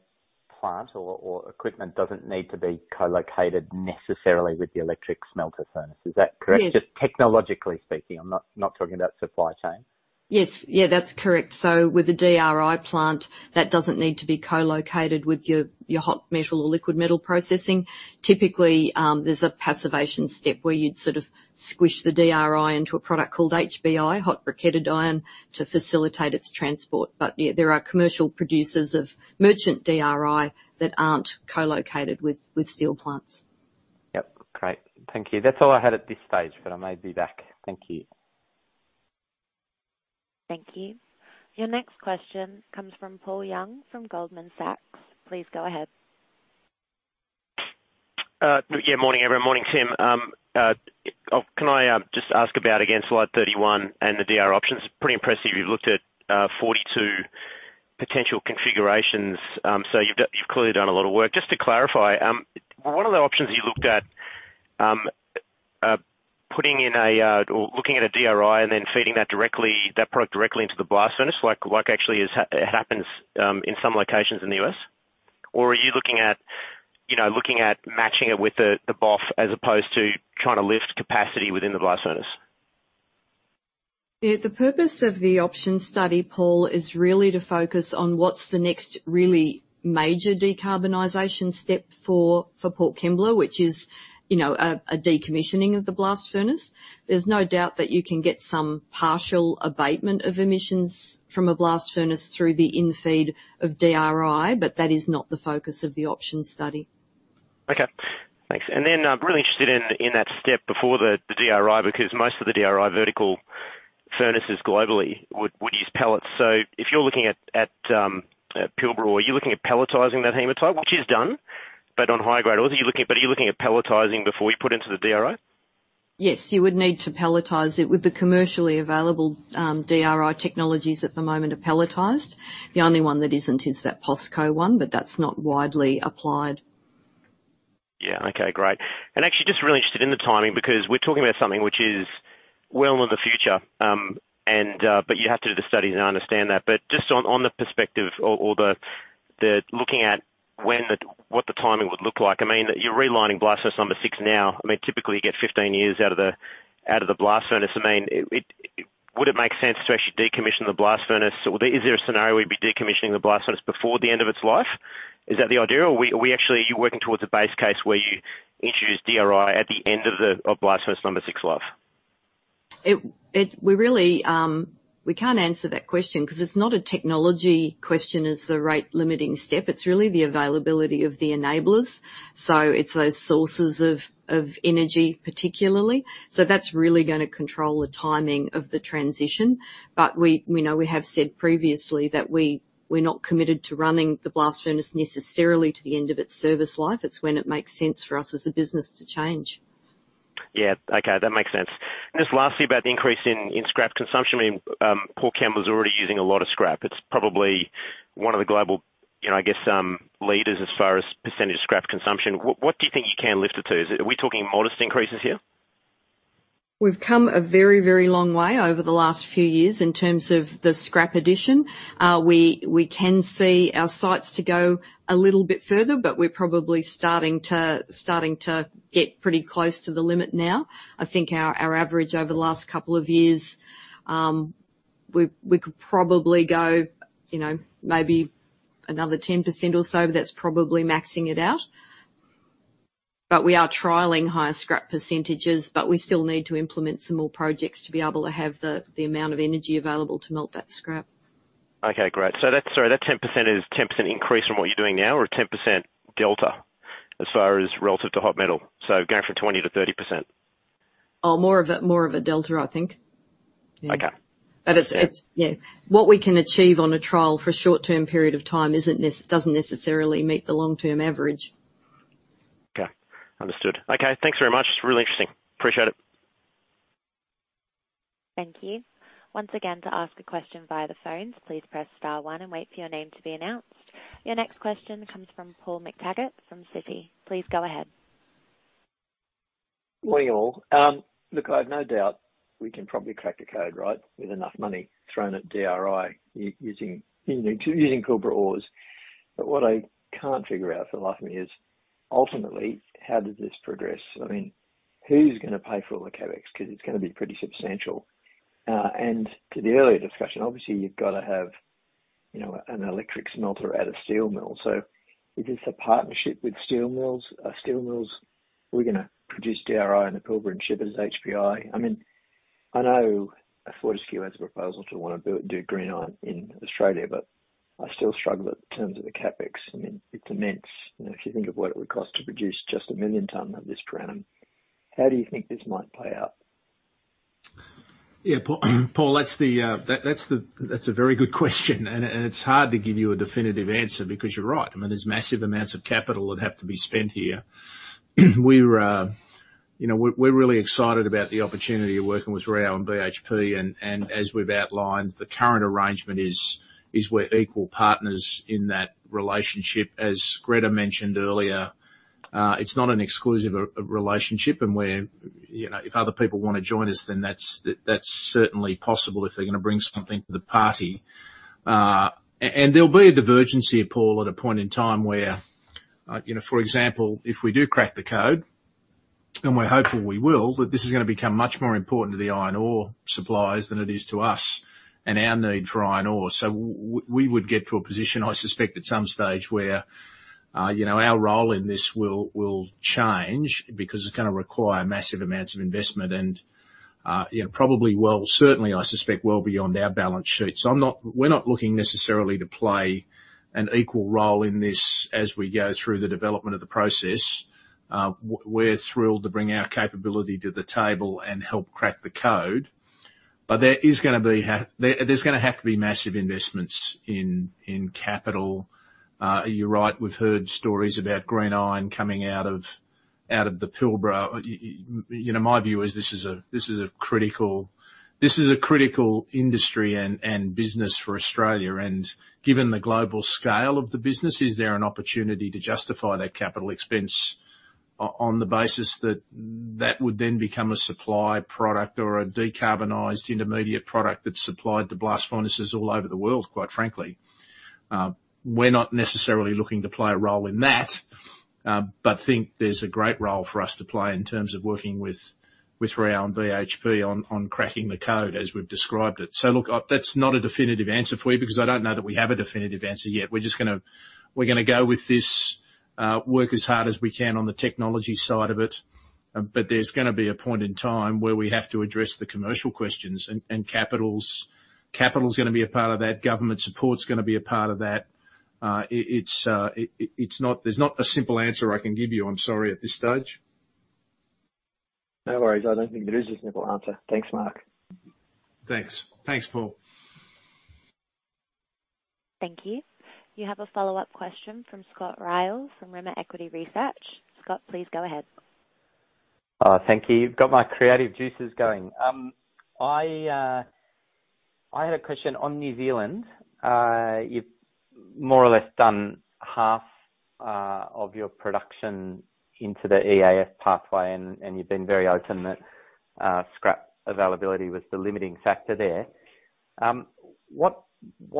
plant or equipment doesn't need to be co-located necessarily with the electric smelting furnace. Is that correct? Yes. Just technologically speaking, I'm not talking about supply chain. Yes. Yeah, that's correct. With the DRI plant, that doesn't need to be co-located with your hot metal or liquid metal processing. Typically, there's a passivation step where you'd sort of squish the DRI into a product called HBI, hot briquetted iron, to facilitate its transport. But yeah, there are commercial producers of merchant DRI that aren't co-located with steel plants. Yep, great. Thank you. That's all I had at this stage, but I may be back. Thank you. Thank you. Your next question comes from Paul Young, from Goldman Sachs. Please go ahead. Yeah, morning, everyone. Morning, Tim. Oh, can I just ask about, again, slide 31 and the DRI options? Pretty impressive. You've looked at 42 potential configurations. So you've clearly done a lot of work. Just to clarify, one of the options you looked at, putting in a or looking at a DRI and then feeding that directly, that product directly into the blast furnace, like, actually happens in some locations in the U.S.? Or are you looking at, you know, looking at matching it with the BOF as opposed to trying to lift capacity within the blast furnace? Yeah, the purpose of the option study, Paul, is really to focus on what's the next really major decarbonization step for Port Kembla, which is, you know, a decommissioning of the blast furnace. There's no doubt that you can get some partial abatement of emissions from a blast furnace through the in-feed of DRI, but that is not the focus of the option study. Okay, thanks. And then I'm really interested in that step before the DRI, because most of the DRI vertical furnaces globally would use pellets. So if you're looking at Pilbara, are you looking at pelletizing that hematite, which is done but on higher grade? Or are you looking but are you looking at pelletizing before you put into the DRI? Yes, you would need to pelletize it. With the commercially available, DRI technologies at the moment are pelletized. The only one that isn't is that POSCO one, but that's not widely applied. Yeah, okay, great. And actually, just really interested in the timing, because we're talking about something which is well into the future, and but you have to do the study, and I understand that. But just on the perspective or the looking at what the timing would look like. I mean, you're relining blast furnace number six now. I mean, typically, you get fifteen years out of the blast furnace. I mean, it would it make sense to actually decommission the blast furnace, or is there a scenario where you'd be decommissioning the blast furnace before the end of its life? Is that the idea, or we actually, are you working towards a base case where you introduce DRI at the end of blast furnace number six life? It we really can't answer that question 'cause it's not a technology question as the rate-limiting step. It's really the availability of the enablers. So it's those sources of energy, particularly. So that's really gonna control the timing of the transition. But we know we have said previously that we're not committed to running the blast furnace necessarily to the end of its service life. It's when it makes sense for us as a business to change. Yeah. Okay, that makes sense. Just lastly, about the increase in scrap consumption. I mean, Port Kembla is already using a lot of scrap. It's probably one of the global, you know, I guess, leaders as far as percentage of scrap consumption. What do you think you can lift it to? Is it? Are we talking modest increases here? We've come a very, very long way over the last few years in terms of the scrap addition. We can see our sites to go a little bit further, but we're probably starting to get pretty close to the limit now. I think our average over the last couple of years, we could probably go, you know, maybe another 10% or so, but that's probably maxing it out. But we are trialing higher scrap percentages, but we still need to implement some more projects to be able to have the amount of energy available to melt that scrap. Okay, great. So that's... Sorry, that 10% is 10% increase from what you're doing now, or a 10% delta as far as relative to hot metal, so going from 20% to 30%? Oh, more of a delta, I think. Okay. But it's. Yeah. What we can achieve on a trial for a short-term period of time doesn't necessarily meet the long-term average. Okay, understood. Okay, thanks very much. It's really interesting. Appreciate it. Thank you. Once again, to ask a question via the phones, please press star one and wait for your name to be announced. Your next question comes from Paul McTaggart from Citi. Please go ahead. Morning, all. Look, I have no doubt we can probably crack the code, right, with enough money thrown at DRI using Pilbara ores. But what I can't figure out for the life of me is... Ultimately, how does this progress? I mean, who's gonna pay for all the CapEx? 'Cause it's gonna be pretty substantial. And to the earlier discussion, obviously, you've got to have, you know, an electric smelter at a steel mill. So is this a partnership with steel mills? Steel mills, are we gonna produce DRI in the Pilbara and ship it as HBI? I mean, I know Fortescue has a proposal to wanna build, do green iron in Australia, but I still struggle in terms of the CapEx. I mean, it's immense, and if you think of what it would cost to produce just a million tons of this per annum, how do you think this might play out? Yeah, Paul, that's a very good question, and it's hard to give you a definitive answer because you're right. I mean, there's massive amounts of capital that have to be spent here. You know, we're really excited about the opportunity of working with Rio and BHP, and as we've outlined, the current arrangement is we're equal partners in that relationship. As Greta mentioned earlier, it's not an exclusive relationship, and you know, if other people wanna join us, then that's certainly possible if they're gonna bring something to the party. And there'll be a divergence, Paul, at a point in time where, you know, for example, if we do crack the code, and we're hopeful we will, that this is gonna become much more important to the iron ore suppliers than it is to us and our need for iron ore. So we would get to a position, I suspect, at some stage, where, you know, our role in this will change because it's gonna require massive amounts of investment, and, you know, certainly, I suspect well beyond our balance sheet. So we're not looking necessarily to play an equal role in this as we go through the development of the process. We're thrilled to bring our capability to the table and help crack the code, but there is gonna be massive investments in capital. You're right, we've heard stories about green iron coming out of the Pilbara. You know, my view is this is a critical industry and business for Australia, and given the global scale of the business, is there an opportunity to justify that capital expense on the basis that that would then become a supply product or a decarbonized intermediate product that's supplied to blast furnaces all over the world, quite frankly? We're not necessarily looking to play a role in that, but think there's a great role for us to play in terms of working with Rio and BHP on cracking the code, as we've described it. So look, that's not a definitive answer for you because I don't know that we have a definitive answer yet. We're just gonna go with this, work as hard as we can on the technology side of it, but there's gonna be a point in time where we have to address the commercial questions, and capital's gonna be a part of that, government support's gonna be a part of that. It's not. There's not a simple answer I can give you, I'm sorry, at this stage. No worries. I don't think there is a simple answer. Thanks, Mark. Thanks. Thanks, Paul. Thank you. You have a follow-up question from Scott Ryall from Rimor Equity Research. Scott, please go ahead. Thank you. You've got my creative juices going. I had a question on New Zealand. You've more or less done half of your production into the EAF pathway, and you've been very open that scrap availability was the limiting factor there. What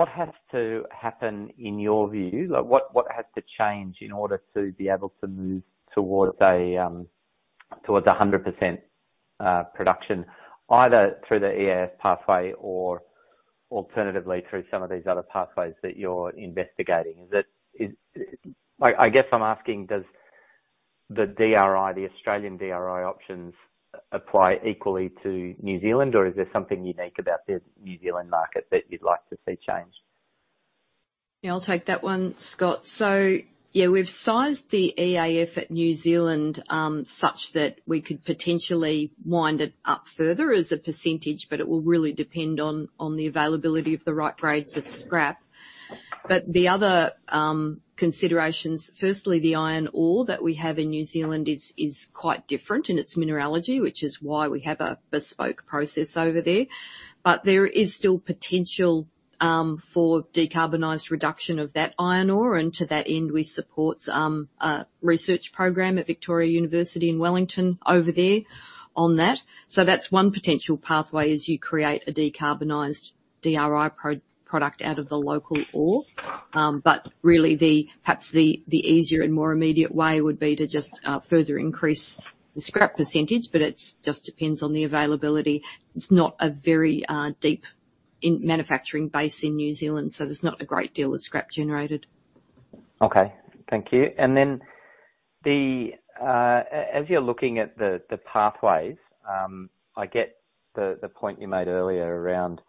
has to happen in your view? Like, what has to change in order to be able to move towards 100% production, either through the EAF pathway or alternatively through some of these other pathways that you're investigating? Is it... I guess I'm asking: Does the DRI, the Australian DRI options apply equally to New Zealand, or is there something unique about the New Zealand market that you'd like to see changed? Yeah, I'll take that one, Scott. So yeah, we've sized the EAF at New Zealand such that we could potentially wind it up further as a percentage, but it will really depend on the availability of the right grades of scrap. But the other considerations, firstly, the iron ore that we have in New Zealand is quite different in its mineralogy, which is why we have a bespoke process over there. But there is still potential for decarbonized reduction of that iron ore, and to that end, we support a research program at Victoria University of Wellington over there on that. So that's one potential pathway, is you create a decarbonized DRI product out of the local ore. But really, perhaps the easier and more immediate way would be to just further increase the scrap percentage, but it just depends on the availability. It's not a very deep manufacturing base in New Zealand, so there's not a great deal of scrap generated. Okay, thank you. And then the, as you're looking at the, the pathways, I get the, the point you made earlier around,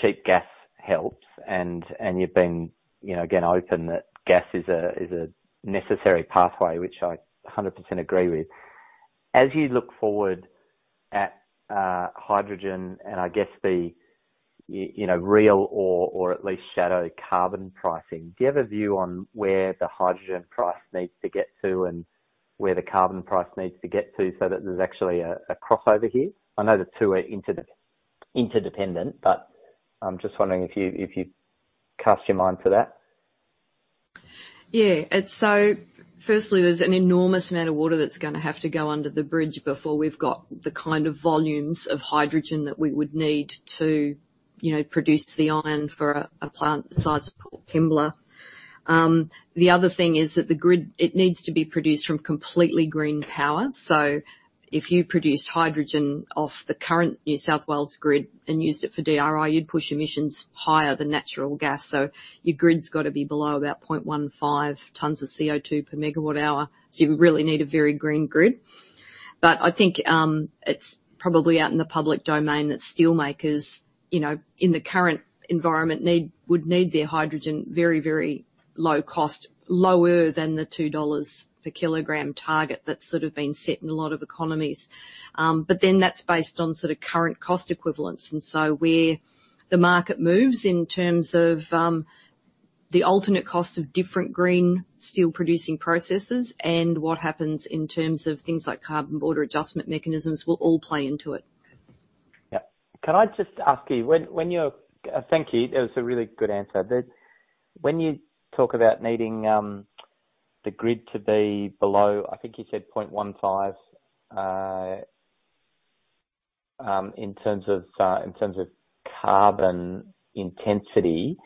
cheap gas helps and, and you've been, you know, again, open that gas is a, is a necessary pathway, which I 100% agree with. As you look forward at, hydrogen and I guess the, you know, real or, or at least shadow carbon pricing, do you have a view on where the hydrogen price needs to get to and where the carbon price needs to get to so that there's actually a, a crossover here? I know the two are interdependent, but I'm just wondering if you, if you cast your mind to that. Yeah. And so firstly, there's an enormous amount of water that's gonna have to go under the bridge before we've got the kind of volumes of hydrogen that we would need to you know, produce the iron for a plant the size of Port Kembla. The other thing is that the grid, it needs to be produced from completely green power. So if you produce hydrogen off the current New South Wales grid and used it for DRI, you'd push emissions higher than natural gas, so your grid's got to be below about point one five tons of CO2 per megawatt hour, so you really need a very green grid. But I think, it's probably out in the public domain that steelmakers, you know, in the current environment, would need their hydrogen very, very low cost, lower than the 2 dollars per kilogram target that's sort of been set in a lot of economies. But then that's based on sort of current cost equivalence, and so where the market moves in terms of, the alternate costs of different green steel producing processes and what happens in terms of things like carbon border adjustment mechanisms will all play into it. Yeah. Can I just ask you, when you're... Thank you. That was a really good answer. But when you talk about needing the grid to be below 0.15 in terms of carbon intensity,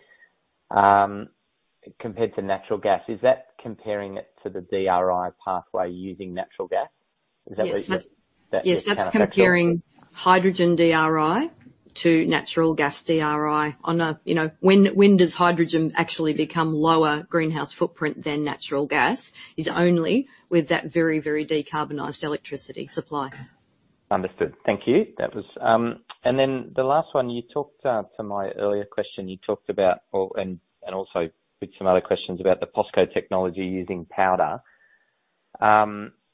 compared to natural gas, is that comparing it to the DRI pathway using natural gas? Is that what you're- Yes, that's- That's- Yes, that's comparing hydrogen DRI to natural gas DRI on a, you know, when does hydrogen actually become lower greenhouse footprint than natural gas, is only with that very, very decarbonized electricity supply. Understood. Thank you. That was... And then the last one, you talked to my earlier question, you talked about, and also with some other questions about the POSCO technology using powder.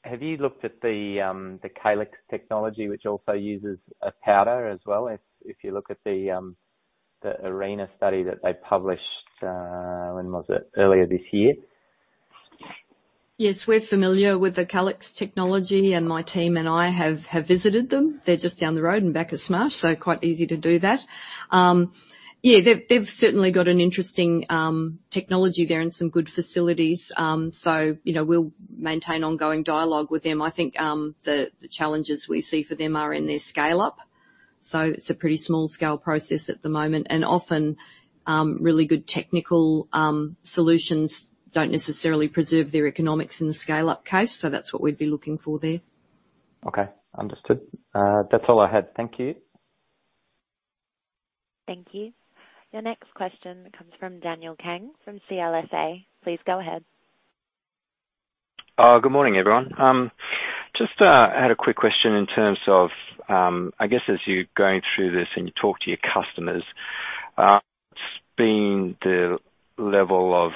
Have you looked at the Calix technology, which also uses a powder as well, if you look at the ARENA study that they published, when was it? Earlier this year. Yes, we're familiar with the Calix technology, and my team and I have visited them. They're just down the road in Bacchus Marsh, so quite easy to do that. Yeah, they've certainly got an interesting technology there and some good facilities, so, you know, we'll maintain ongoing dialogue with them. I think the challenges we see for them are in their scale up, so it's a pretty small-scale process at the moment, and often really good technical solutions don't necessarily preserve their economics in the scale-up case, so that's what we'd be looking for there. Okay, understood. That's all I had. Thank you. Thank you. Your next question comes from Daniel Kang from CLSA. Please go ahead. Good morning, everyone. Just had a quick question in terms of, I guess, as you're going through this and you talk to your customers, what's been the level of,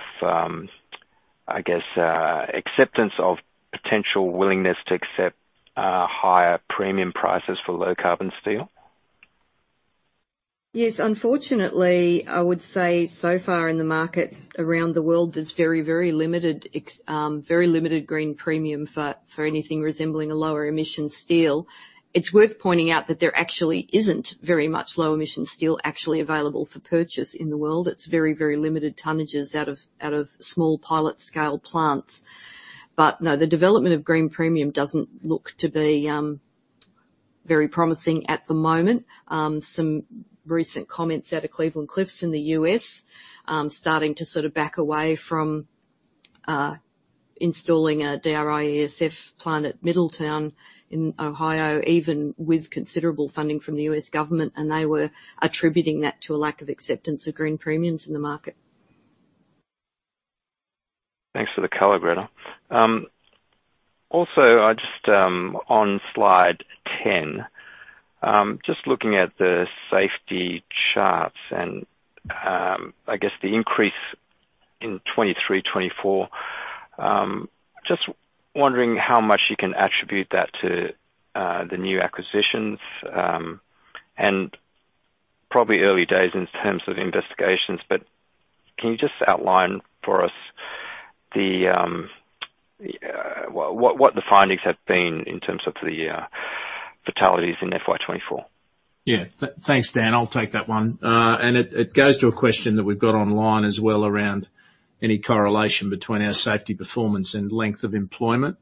I guess, acceptance of potential willingness to accept higher premium prices for low-carbon steel? Yes, unfortunately, I would say so far in the market around the world, there's very, very limited green premium for anything resembling a lower emission steel. It's worth pointing out that there actually isn't very much low emission steel actually available for purchase in the world. It's very, very limited tonnages out of small pilot scale plants. But no, the development of green premium doesn't look to be very promising at the moment. Some recent comments out of Cleveland-Cliffs in the U.S., starting to sort of back away from installing a DRI ESF plant at Middletown in Ohio, even with considerable funding from the U.S. government, and they were attributing that to a lack of acceptance of green premiums in the market. Thanks for the color, Gretta. Also, I just, on slide 10, just looking at the safety charts and, I guess the increase in 2023, 2024, just wondering how much you can attribute that to, the new acquisitions, and probably early days in terms of investigations, but can you just outline for us the, what the findings have been in terms of the, fatalities in FY 2024? Yeah. Thanks, Dan. I'll take that one. And it goes to a question that we've got online as well around any correlation between our safety performance and length of employment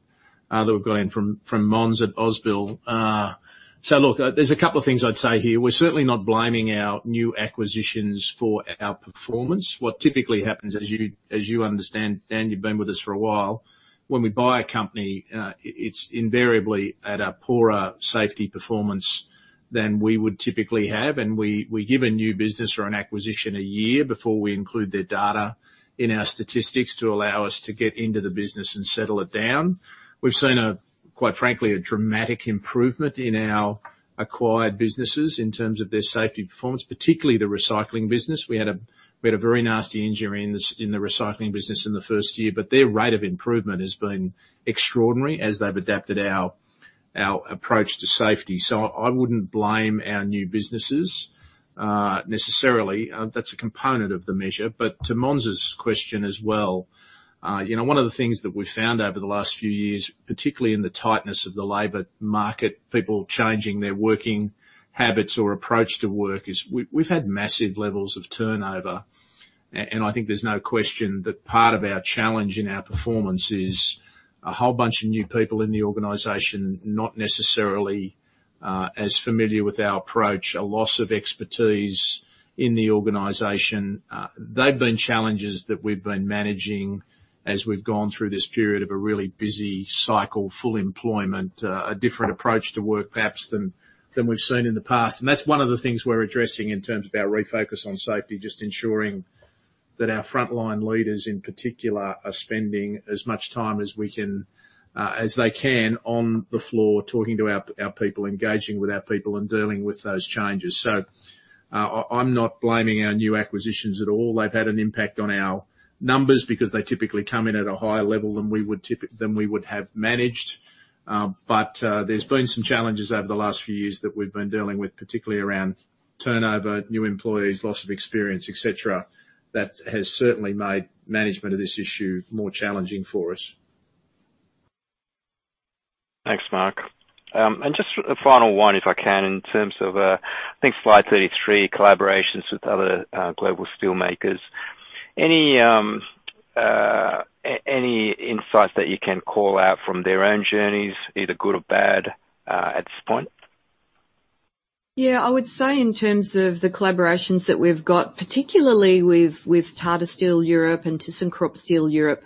that we've got in from Mans at Ausbil. So look, there's a couple of things I'd say here. We're certainly not blaming our new acquisitions for our performance. What typically happens, as you understand, Dan, you've been with us for a while, when we buy a company, it's invariably at a poorer safety performance than we would typically have, and we give a new business or an acquisition a year before we include their data in our statistics to allow us to get into the business and settle it down. We've seen, quite frankly, a dramatic improvement in our acquired businesses in terms of their safety performance, particularly the recycling business. We had a very nasty injury in the recycling business in the first year, but their rate of improvement has been extraordinary as they've adapted our approach to safety. So I wouldn't blame our new businesses necessarily. That's a component of the measure, but to Mans's question as well, you know, one of the things that we've found over the last few years, particularly in the tightness of the labor market, people changing their working habits or approach to work, is we've had massive levels of turnover. I think there's no question that part of our challenge in our performance is a whole bunch of new people in the organization, not necessarily as familiar with our approach, a loss of expertise in the organization. They've been challenges that we've been managing as we've gone through this period of a really busy cycle, full employment, a different approach to work, perhaps, than we've seen in the past. And that's one of the things we're addressing in terms of our refocus on safety, just ensuring that our frontline leaders, in particular, are spending as much time as we can, as they can on the floor, talking to our people, engaging with our people, and dealing with those changes. I'm not blaming our new acquisitions at all. They've had an impact on our numbers because they typically come in at a higher level than we would have managed. But there's been some challenges over the last few years that we've been dealing with, particularly around turnover, new employees, loss of experience, et cetera, that has certainly made management of this issue more challenging for us. Thanks, Mark, and just a final one, if I can, in terms of, I think slide 33, collaborations with other global steelmakers. Any insights that you can call out from their own journeys, either good or bad, at this point? Yeah, I would say in terms of the collaborations that we've got, particularly with Tata Steel Europe and Thyssenkrupp Steel Europe,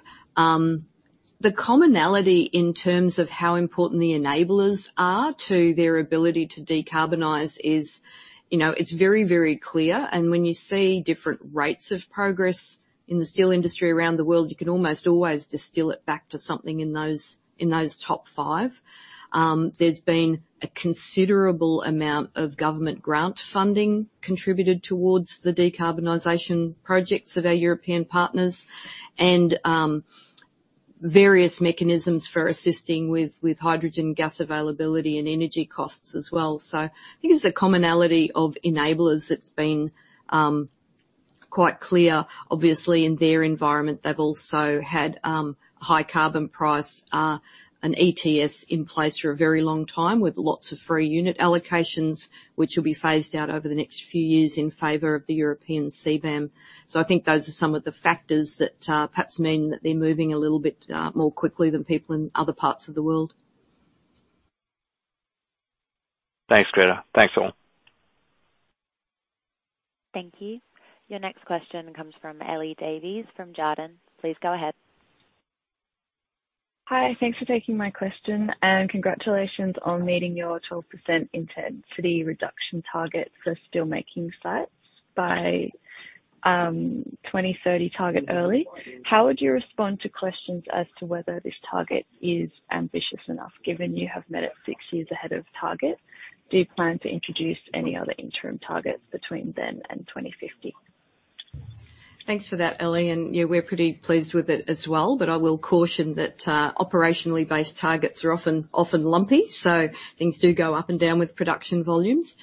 the commonality in terms of how important the enablers are to their ability to decarbonize is, you know, it's very, very clear. And when you see different rates of progress in the steel industry around the world, you can almost always distill it back to something in those top five. There's been a considerable amount of government grant funding contributed towards the decarbonization projects of our European partners and various mechanisms for assisting with hydrogen gas availability and energy costs as well. So I think it's a commonality of enablers that's been quite clear. Obviously, in their environment, they've also had a high carbon price, an ETS in place for a very long time, with lots of free unit allocations, which will be phased out over the next few years in favor of the European CBAM. So I think those are some of the factors that, perhaps mean that they're moving a little bit, more quickly than people in other parts of the world. Thanks, Gretta. Thanks, all. Thank you. Your next question comes from Ellie Davies from Jarden. Please go ahead. Hi, thanks for taking my question, and congratulations on meeting your 12% intensity reduction target for steelmaking sites by 2030 target early. How would you respond to questions as to whether this target is ambitious enough, given you have met it six years ahead of target? Do you plan to introduce any other interim targets between then and 2050? Thanks for that, Ellie, and, yeah, we're pretty pleased with it as well, but I will caution that, operationally-based targets are often lumpy, so things do go up and down with production volumes.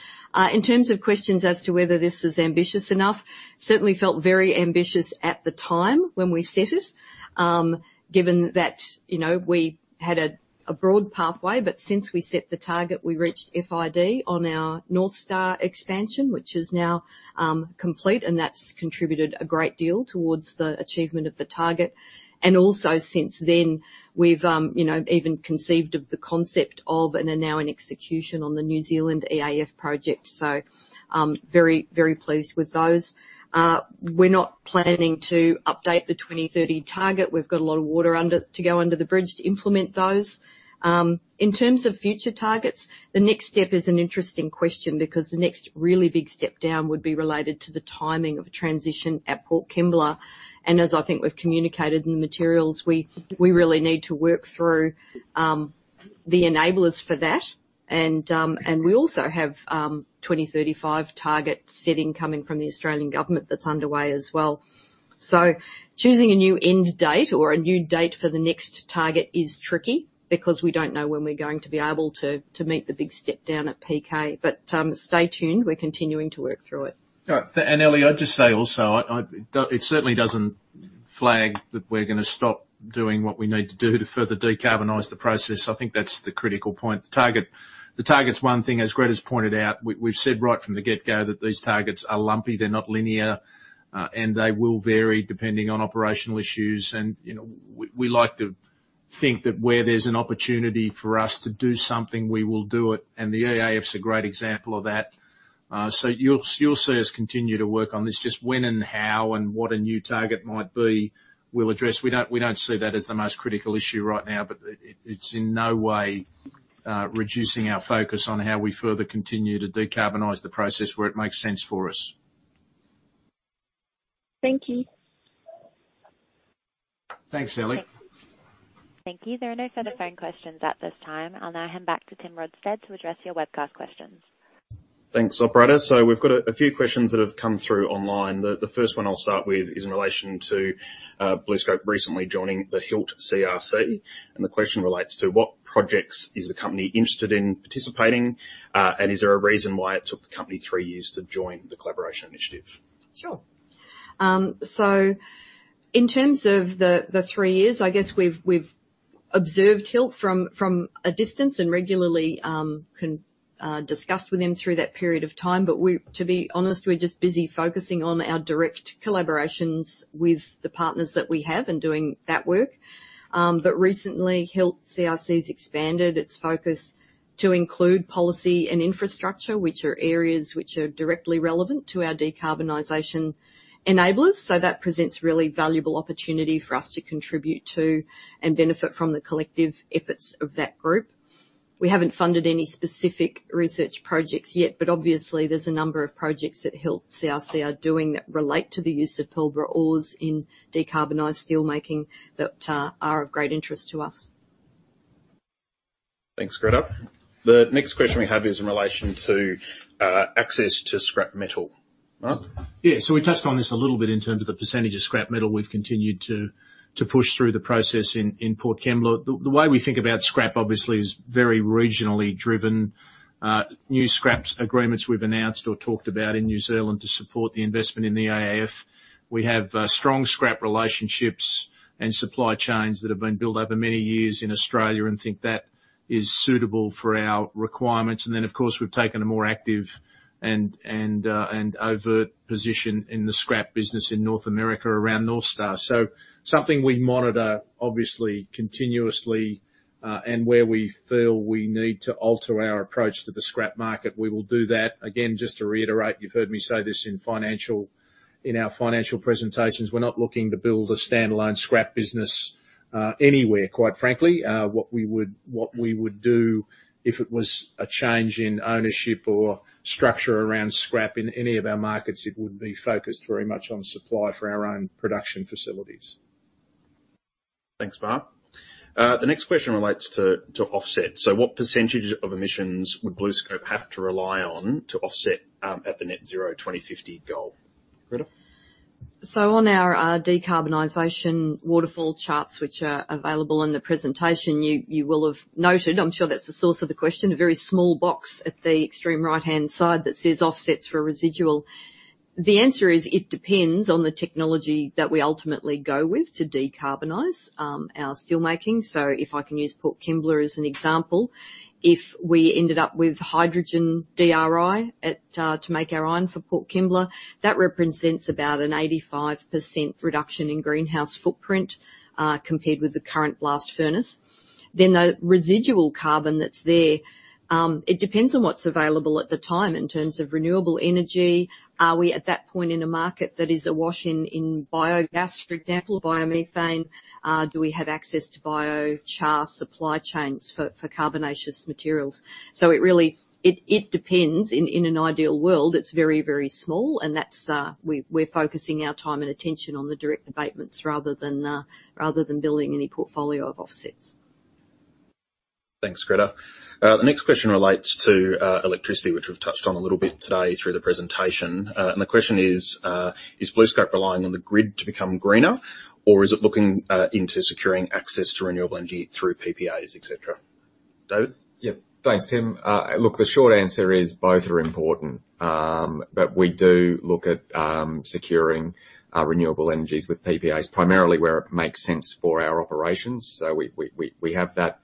In terms of questions as to whether this is ambitious enough, certainly felt very ambitious at the time when we set it, given that, you know, we had a broad pathway, but since we set the target, we reached FID on our North Star expansion, which is now complete, and that's contributed a great deal towards the achievement of the target. And also since then, we've, you know, even conceived of the concept of, and are now in execution on, the New Zealand EAF project. So, very pleased with those. We're not planning to update the 2030 target. We've got a lot of water to go under the bridge to implement those. In terms of future targets, the next step is an interesting question, because the next really big step down would be related to the timing of transition at Port Kembla, and as I think we've communicated in the materials, we really need to work through the enablers for that, and we also have 2035 target setting coming from the Australian government that's underway as well, so choosing a new end date or a new date for the next target is tricky, because we don't know when we're going to be able to meet the big step down at PK, but stay tuned. We're continuing to work through it. All right, and Ellie, I'd just say also, it certainly doesn't flag that we're gonna stop doing what we need to do to further decarbonize the process. I think that's the critical point. The target, the target's one thing, as Gretta's pointed out, we've said right from the get-go that these targets are lumpy, they're not linear, and they will vary depending on operational issues. And, you know, we like to think that where there's an opportunity for us to do something, we will do it, and the EAF's a great example of that. So you'll see us continue to work on this. Just when and how, and what a new target might be, we'll address. We don't see that as the most critical issue right now, but it's in no way reducing our focus on how we further continue to decarbonize the process where it makes sense for us. Thank you. Thanks, Ellie. Thank you. There are no further phone questions at this time. I'll now hand back to Tim Rodsted to address your webcast questions. Thanks, operator. So we've got a few questions that have come through online. The first one I'll start with is in relation to BlueScope recently joining the HILT CRC, and the question relates to: What projects is the company interested in participating, and is there a reason why it took the company three years to join the collaboration initiative? Sure. So in terms of the three years, I guess we've observed Hilt from a distance and regularly discussed with him through that period of time. But we, to be honest, we're just busy focusing on our direct collaborations with the partners that we have and doing that work. But recently, HILT CRC's expanded its focus to include policy and infrastructure, which are areas which are directly relevant to our decarbonization enablers. So that presents really valuable opportunity for us to contribute to and benefit from the collective efforts of that group. We haven't funded any specific research projects yet, but obviously, there's a number of projects that HILT CRC are doing that relate to the use of Pilbara ores in decarbonized steelmaking that are of great interest to us. Thanks, Gretta. The next question we have is in relation to access to scrap metal. Mark? Yeah, so we touched on this a little bit in terms of the percentage of scrap metal we've continued to push through the process in Port Kembla. The way we think about scrap, obviously, is very regionally driven. New scrap agreements we've announced or talked about in New Zealand to support the investment in the EAF. We have strong scrap relationships and supply chains that have been built over many years in Australia and think that is suitable for our requirements. And then, of course, we've taken a more active and overt position in the scrap business in North America around North Star. So something we monitor, obviously, continuously, and where we feel we need to alter our approach to the scrap market, we will do that. Again, just to reiterate, you've heard me say this in financial presentations. We're not looking to build a standalone scrap business anywhere, quite frankly. What we would do if it was a change in ownership or structure around scrap in any of our markets, it would be focused very much on supply for our own production facilities. Thanks, Mark. The next question relates to offset. So what percentage of emissions would BlueScope have to rely on to offset at the Net Zero 2050 goal? Gretta? On our decarbonization waterfall charts, which are available in the presentation, you will have noted, I'm sure that's the source of the question, a very small box at the extreme right-hand side that says, "Offsets for residual." The answer is: It depends on the technology that we ultimately go with to decarbonize our steelmaking. If I can use Port Kembla as an example, if we ended up with hydrogen DRI to make our iron for Port Kembla, that represents about an 85% reduction in greenhouse footprint compared with the current blast furnace. The residual carbon that's there, it depends on what's available at the time in terms of renewable energy. Are we, at that point, in a market that is awash in biogas, for example, biomethane? Do we have access to Biochar supply chains for carbonaceous materials? So it really depends. In an ideal world, it's very, very small, and that's. We're focusing our time and attention on the direct abatements rather than building any portfolio of offsets. Thanks, Gretta. The next question relates to electricity, which we've touched on a little bit today through the presentation. And the question is, is BlueScope relying on the grid to become greener, or is it looking into securing access to renewable energy through PPAs, et cetera? David? Yeah. Thanks, Tim. Look, the short answer is both are important, but we do look at securing renewable energies with PPAs, primarily where it makes sense for our operations. So we have that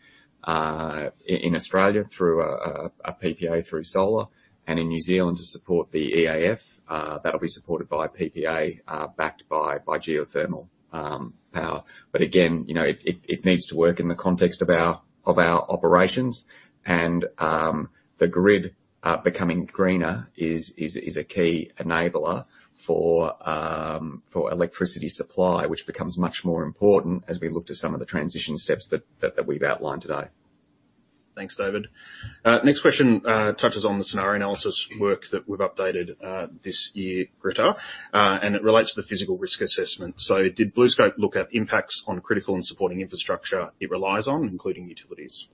in Australia through a PPA through solar and in New Zealand to support the EAF. That'll be supported by a PPA backed by geothermal power. But again, you know, it needs to work in the context of our operations, and the grid becoming greener is a key enabler for electricity supply, which becomes much more important as we look to some of the transition steps that we've outlined today. Thanks, David. Next question touches on the scenario analysis work that we've updated this year, Gretta, and it relates to the physical risk assessment. So did BlueScope look at impacts on critical and supporting infrastructure it relies on, including utilities?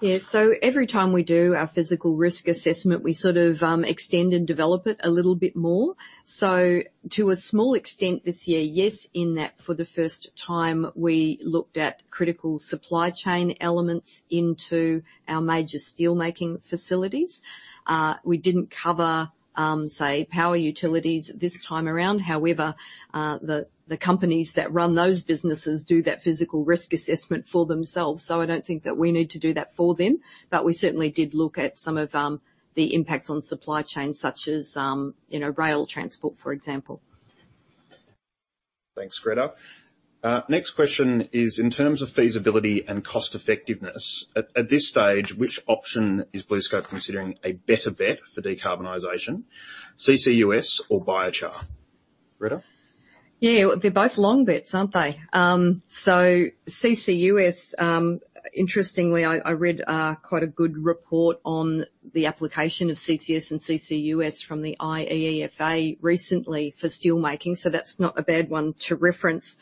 Yeah. So every time we do our physical risk assessment, we sort of extend and develop it a little bit more. So to a small extent this year, yes, in that for the first time, we looked at critical supply chain elements into our major steelmaking facilities. We didn't cover, say, power utilities this time around. However, the companies that run those businesses do that physical risk assessment for themselves, so I don't think that we need to do that for them. But we certainly did look at some of the impacts on supply chain, such as, you know, rail transport, for example. Thanks, Gretta. Next question is, in terms of feasibility and cost effectiveness, at this stage, which option is BlueScope considering a better bet for decarbonization, CCUS or biochar? Gretta? Yeah. They're both long bets, aren't they? So CCUS, interestingly, I read quite a good report on the application of CCS and CCUS from the IEEFA recently for steelmaking, so that's not a bad one to reference.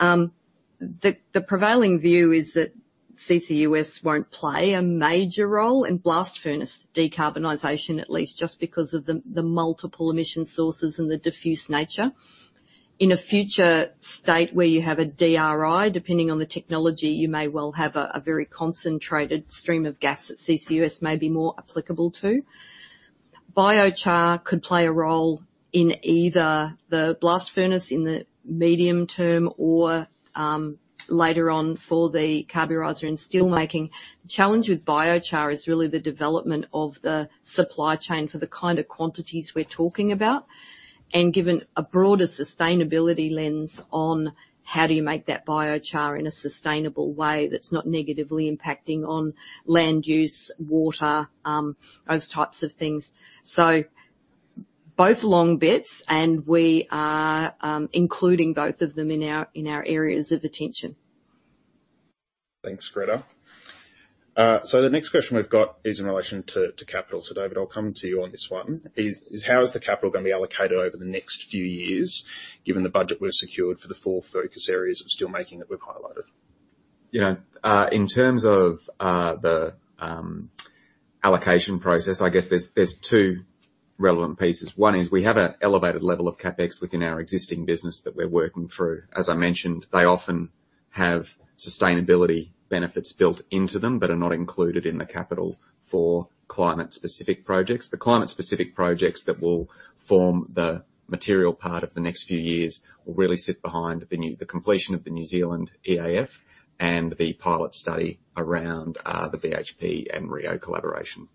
The prevailing view is that CCUS won't play a major role in blast furnace decarbonization, at least just because of the multiple emission sources and the diffuse nature. In a future state where you have a DRI, depending on the technology, you may well have a very concentrated stream of gas that CCUS may be more applicable to... Biochar could play a role in either the blast furnace in the medium term or, later on for the carburizer in steelmaking. The challenge with biochar is really the development of the supply chain for the kind of quantities we're talking about, and given a broader sustainability lens on how do you make that biochar in a sustainable way that's not negatively impacting on land use, water, those types of things. So both long bets, and we are including both of them in our areas of attention. Thanks, Gretta. So the next question we've got is in relation to capital. So David, I'll come to you on this one: how is the capital gonna be allocated over the next few years, given the budget we've secured for the four focus areas of steelmaking that we've highlighted? Yeah. In terms of the allocation process, I guess there's two relevant pieces. One is we have an elevated level of CapEx within our existing business that we're working through. As I mentioned, they often have sustainability benefits built into them, but are not included in the capital for climate-specific projects. The climate-specific projects that will form the material part of the next few years will really sit behind the new-- the completion of the New Zealand EAF and the pilot study around the BHP and Rio collaboration.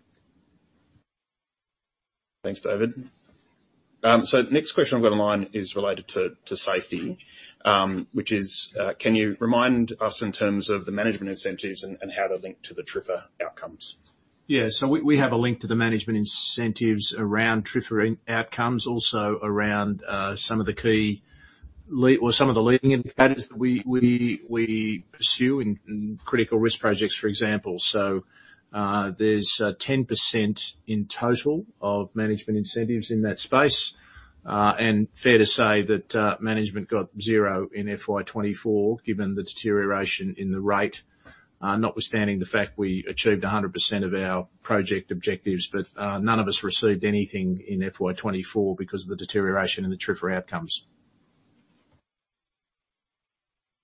Thanks, David. So the next question I've got in line is related to safety, which is, can you remind us in terms of the management incentives and how they're linked to the TRIFR outcomes? Yeah. So we have a link to the management incentives around TRIFR outcomes, also around some of the leading indicators that we pursue in critical risk projects, for example. So there's 10% in total of management incentives in that space. And fair to say that management got zero in FY 2024, given the deterioration in the rate, notwithstanding the fact we achieved 100% of our project objectives, but none of us received anything in FY 2024 because of the deterioration in the TRIFR outcomes.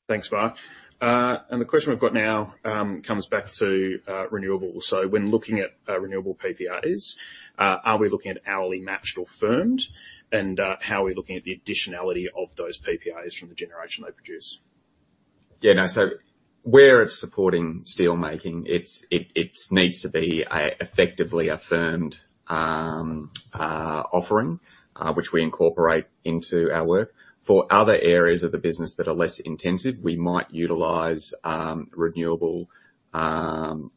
Thanks, Mark. And the question we've got now comes back to renewables. So when looking at renewable PPAs, are we looking at hourly matched or firmed? And how are we looking at the additionality of those PPAs from the generation they produce? Yeah, no. So where it's supporting steelmaking, it needs to be an effectively firm offering, which we incorporate into our work. For other areas of the business that are less intensive, we might utilize renewable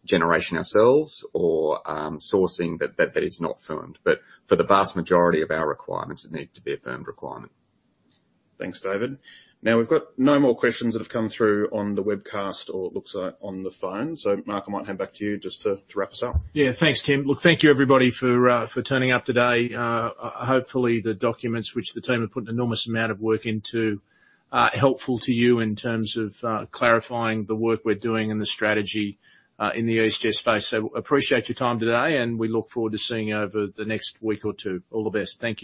generation ourselves or sourcing that is not firmed. But for the vast majority of our requirements, it needs to be a firmed requirement. Thanks, David. Now, we've got no more questions that have come through on the webcast, or it looks like on the phone, so Mark, I might hand back to you just to wrap us up. Yeah. Thanks, Tim. Look, thank you, everybody, for turning up today. Hopefully, the documents, which the team have put an enormous amount of work into, are helpful to you in terms of clarifying the work we're doing and the strategy in the ESG space. So appreciate your time today, and we look forward to seeing you over the next week or two. All the best. Thank you.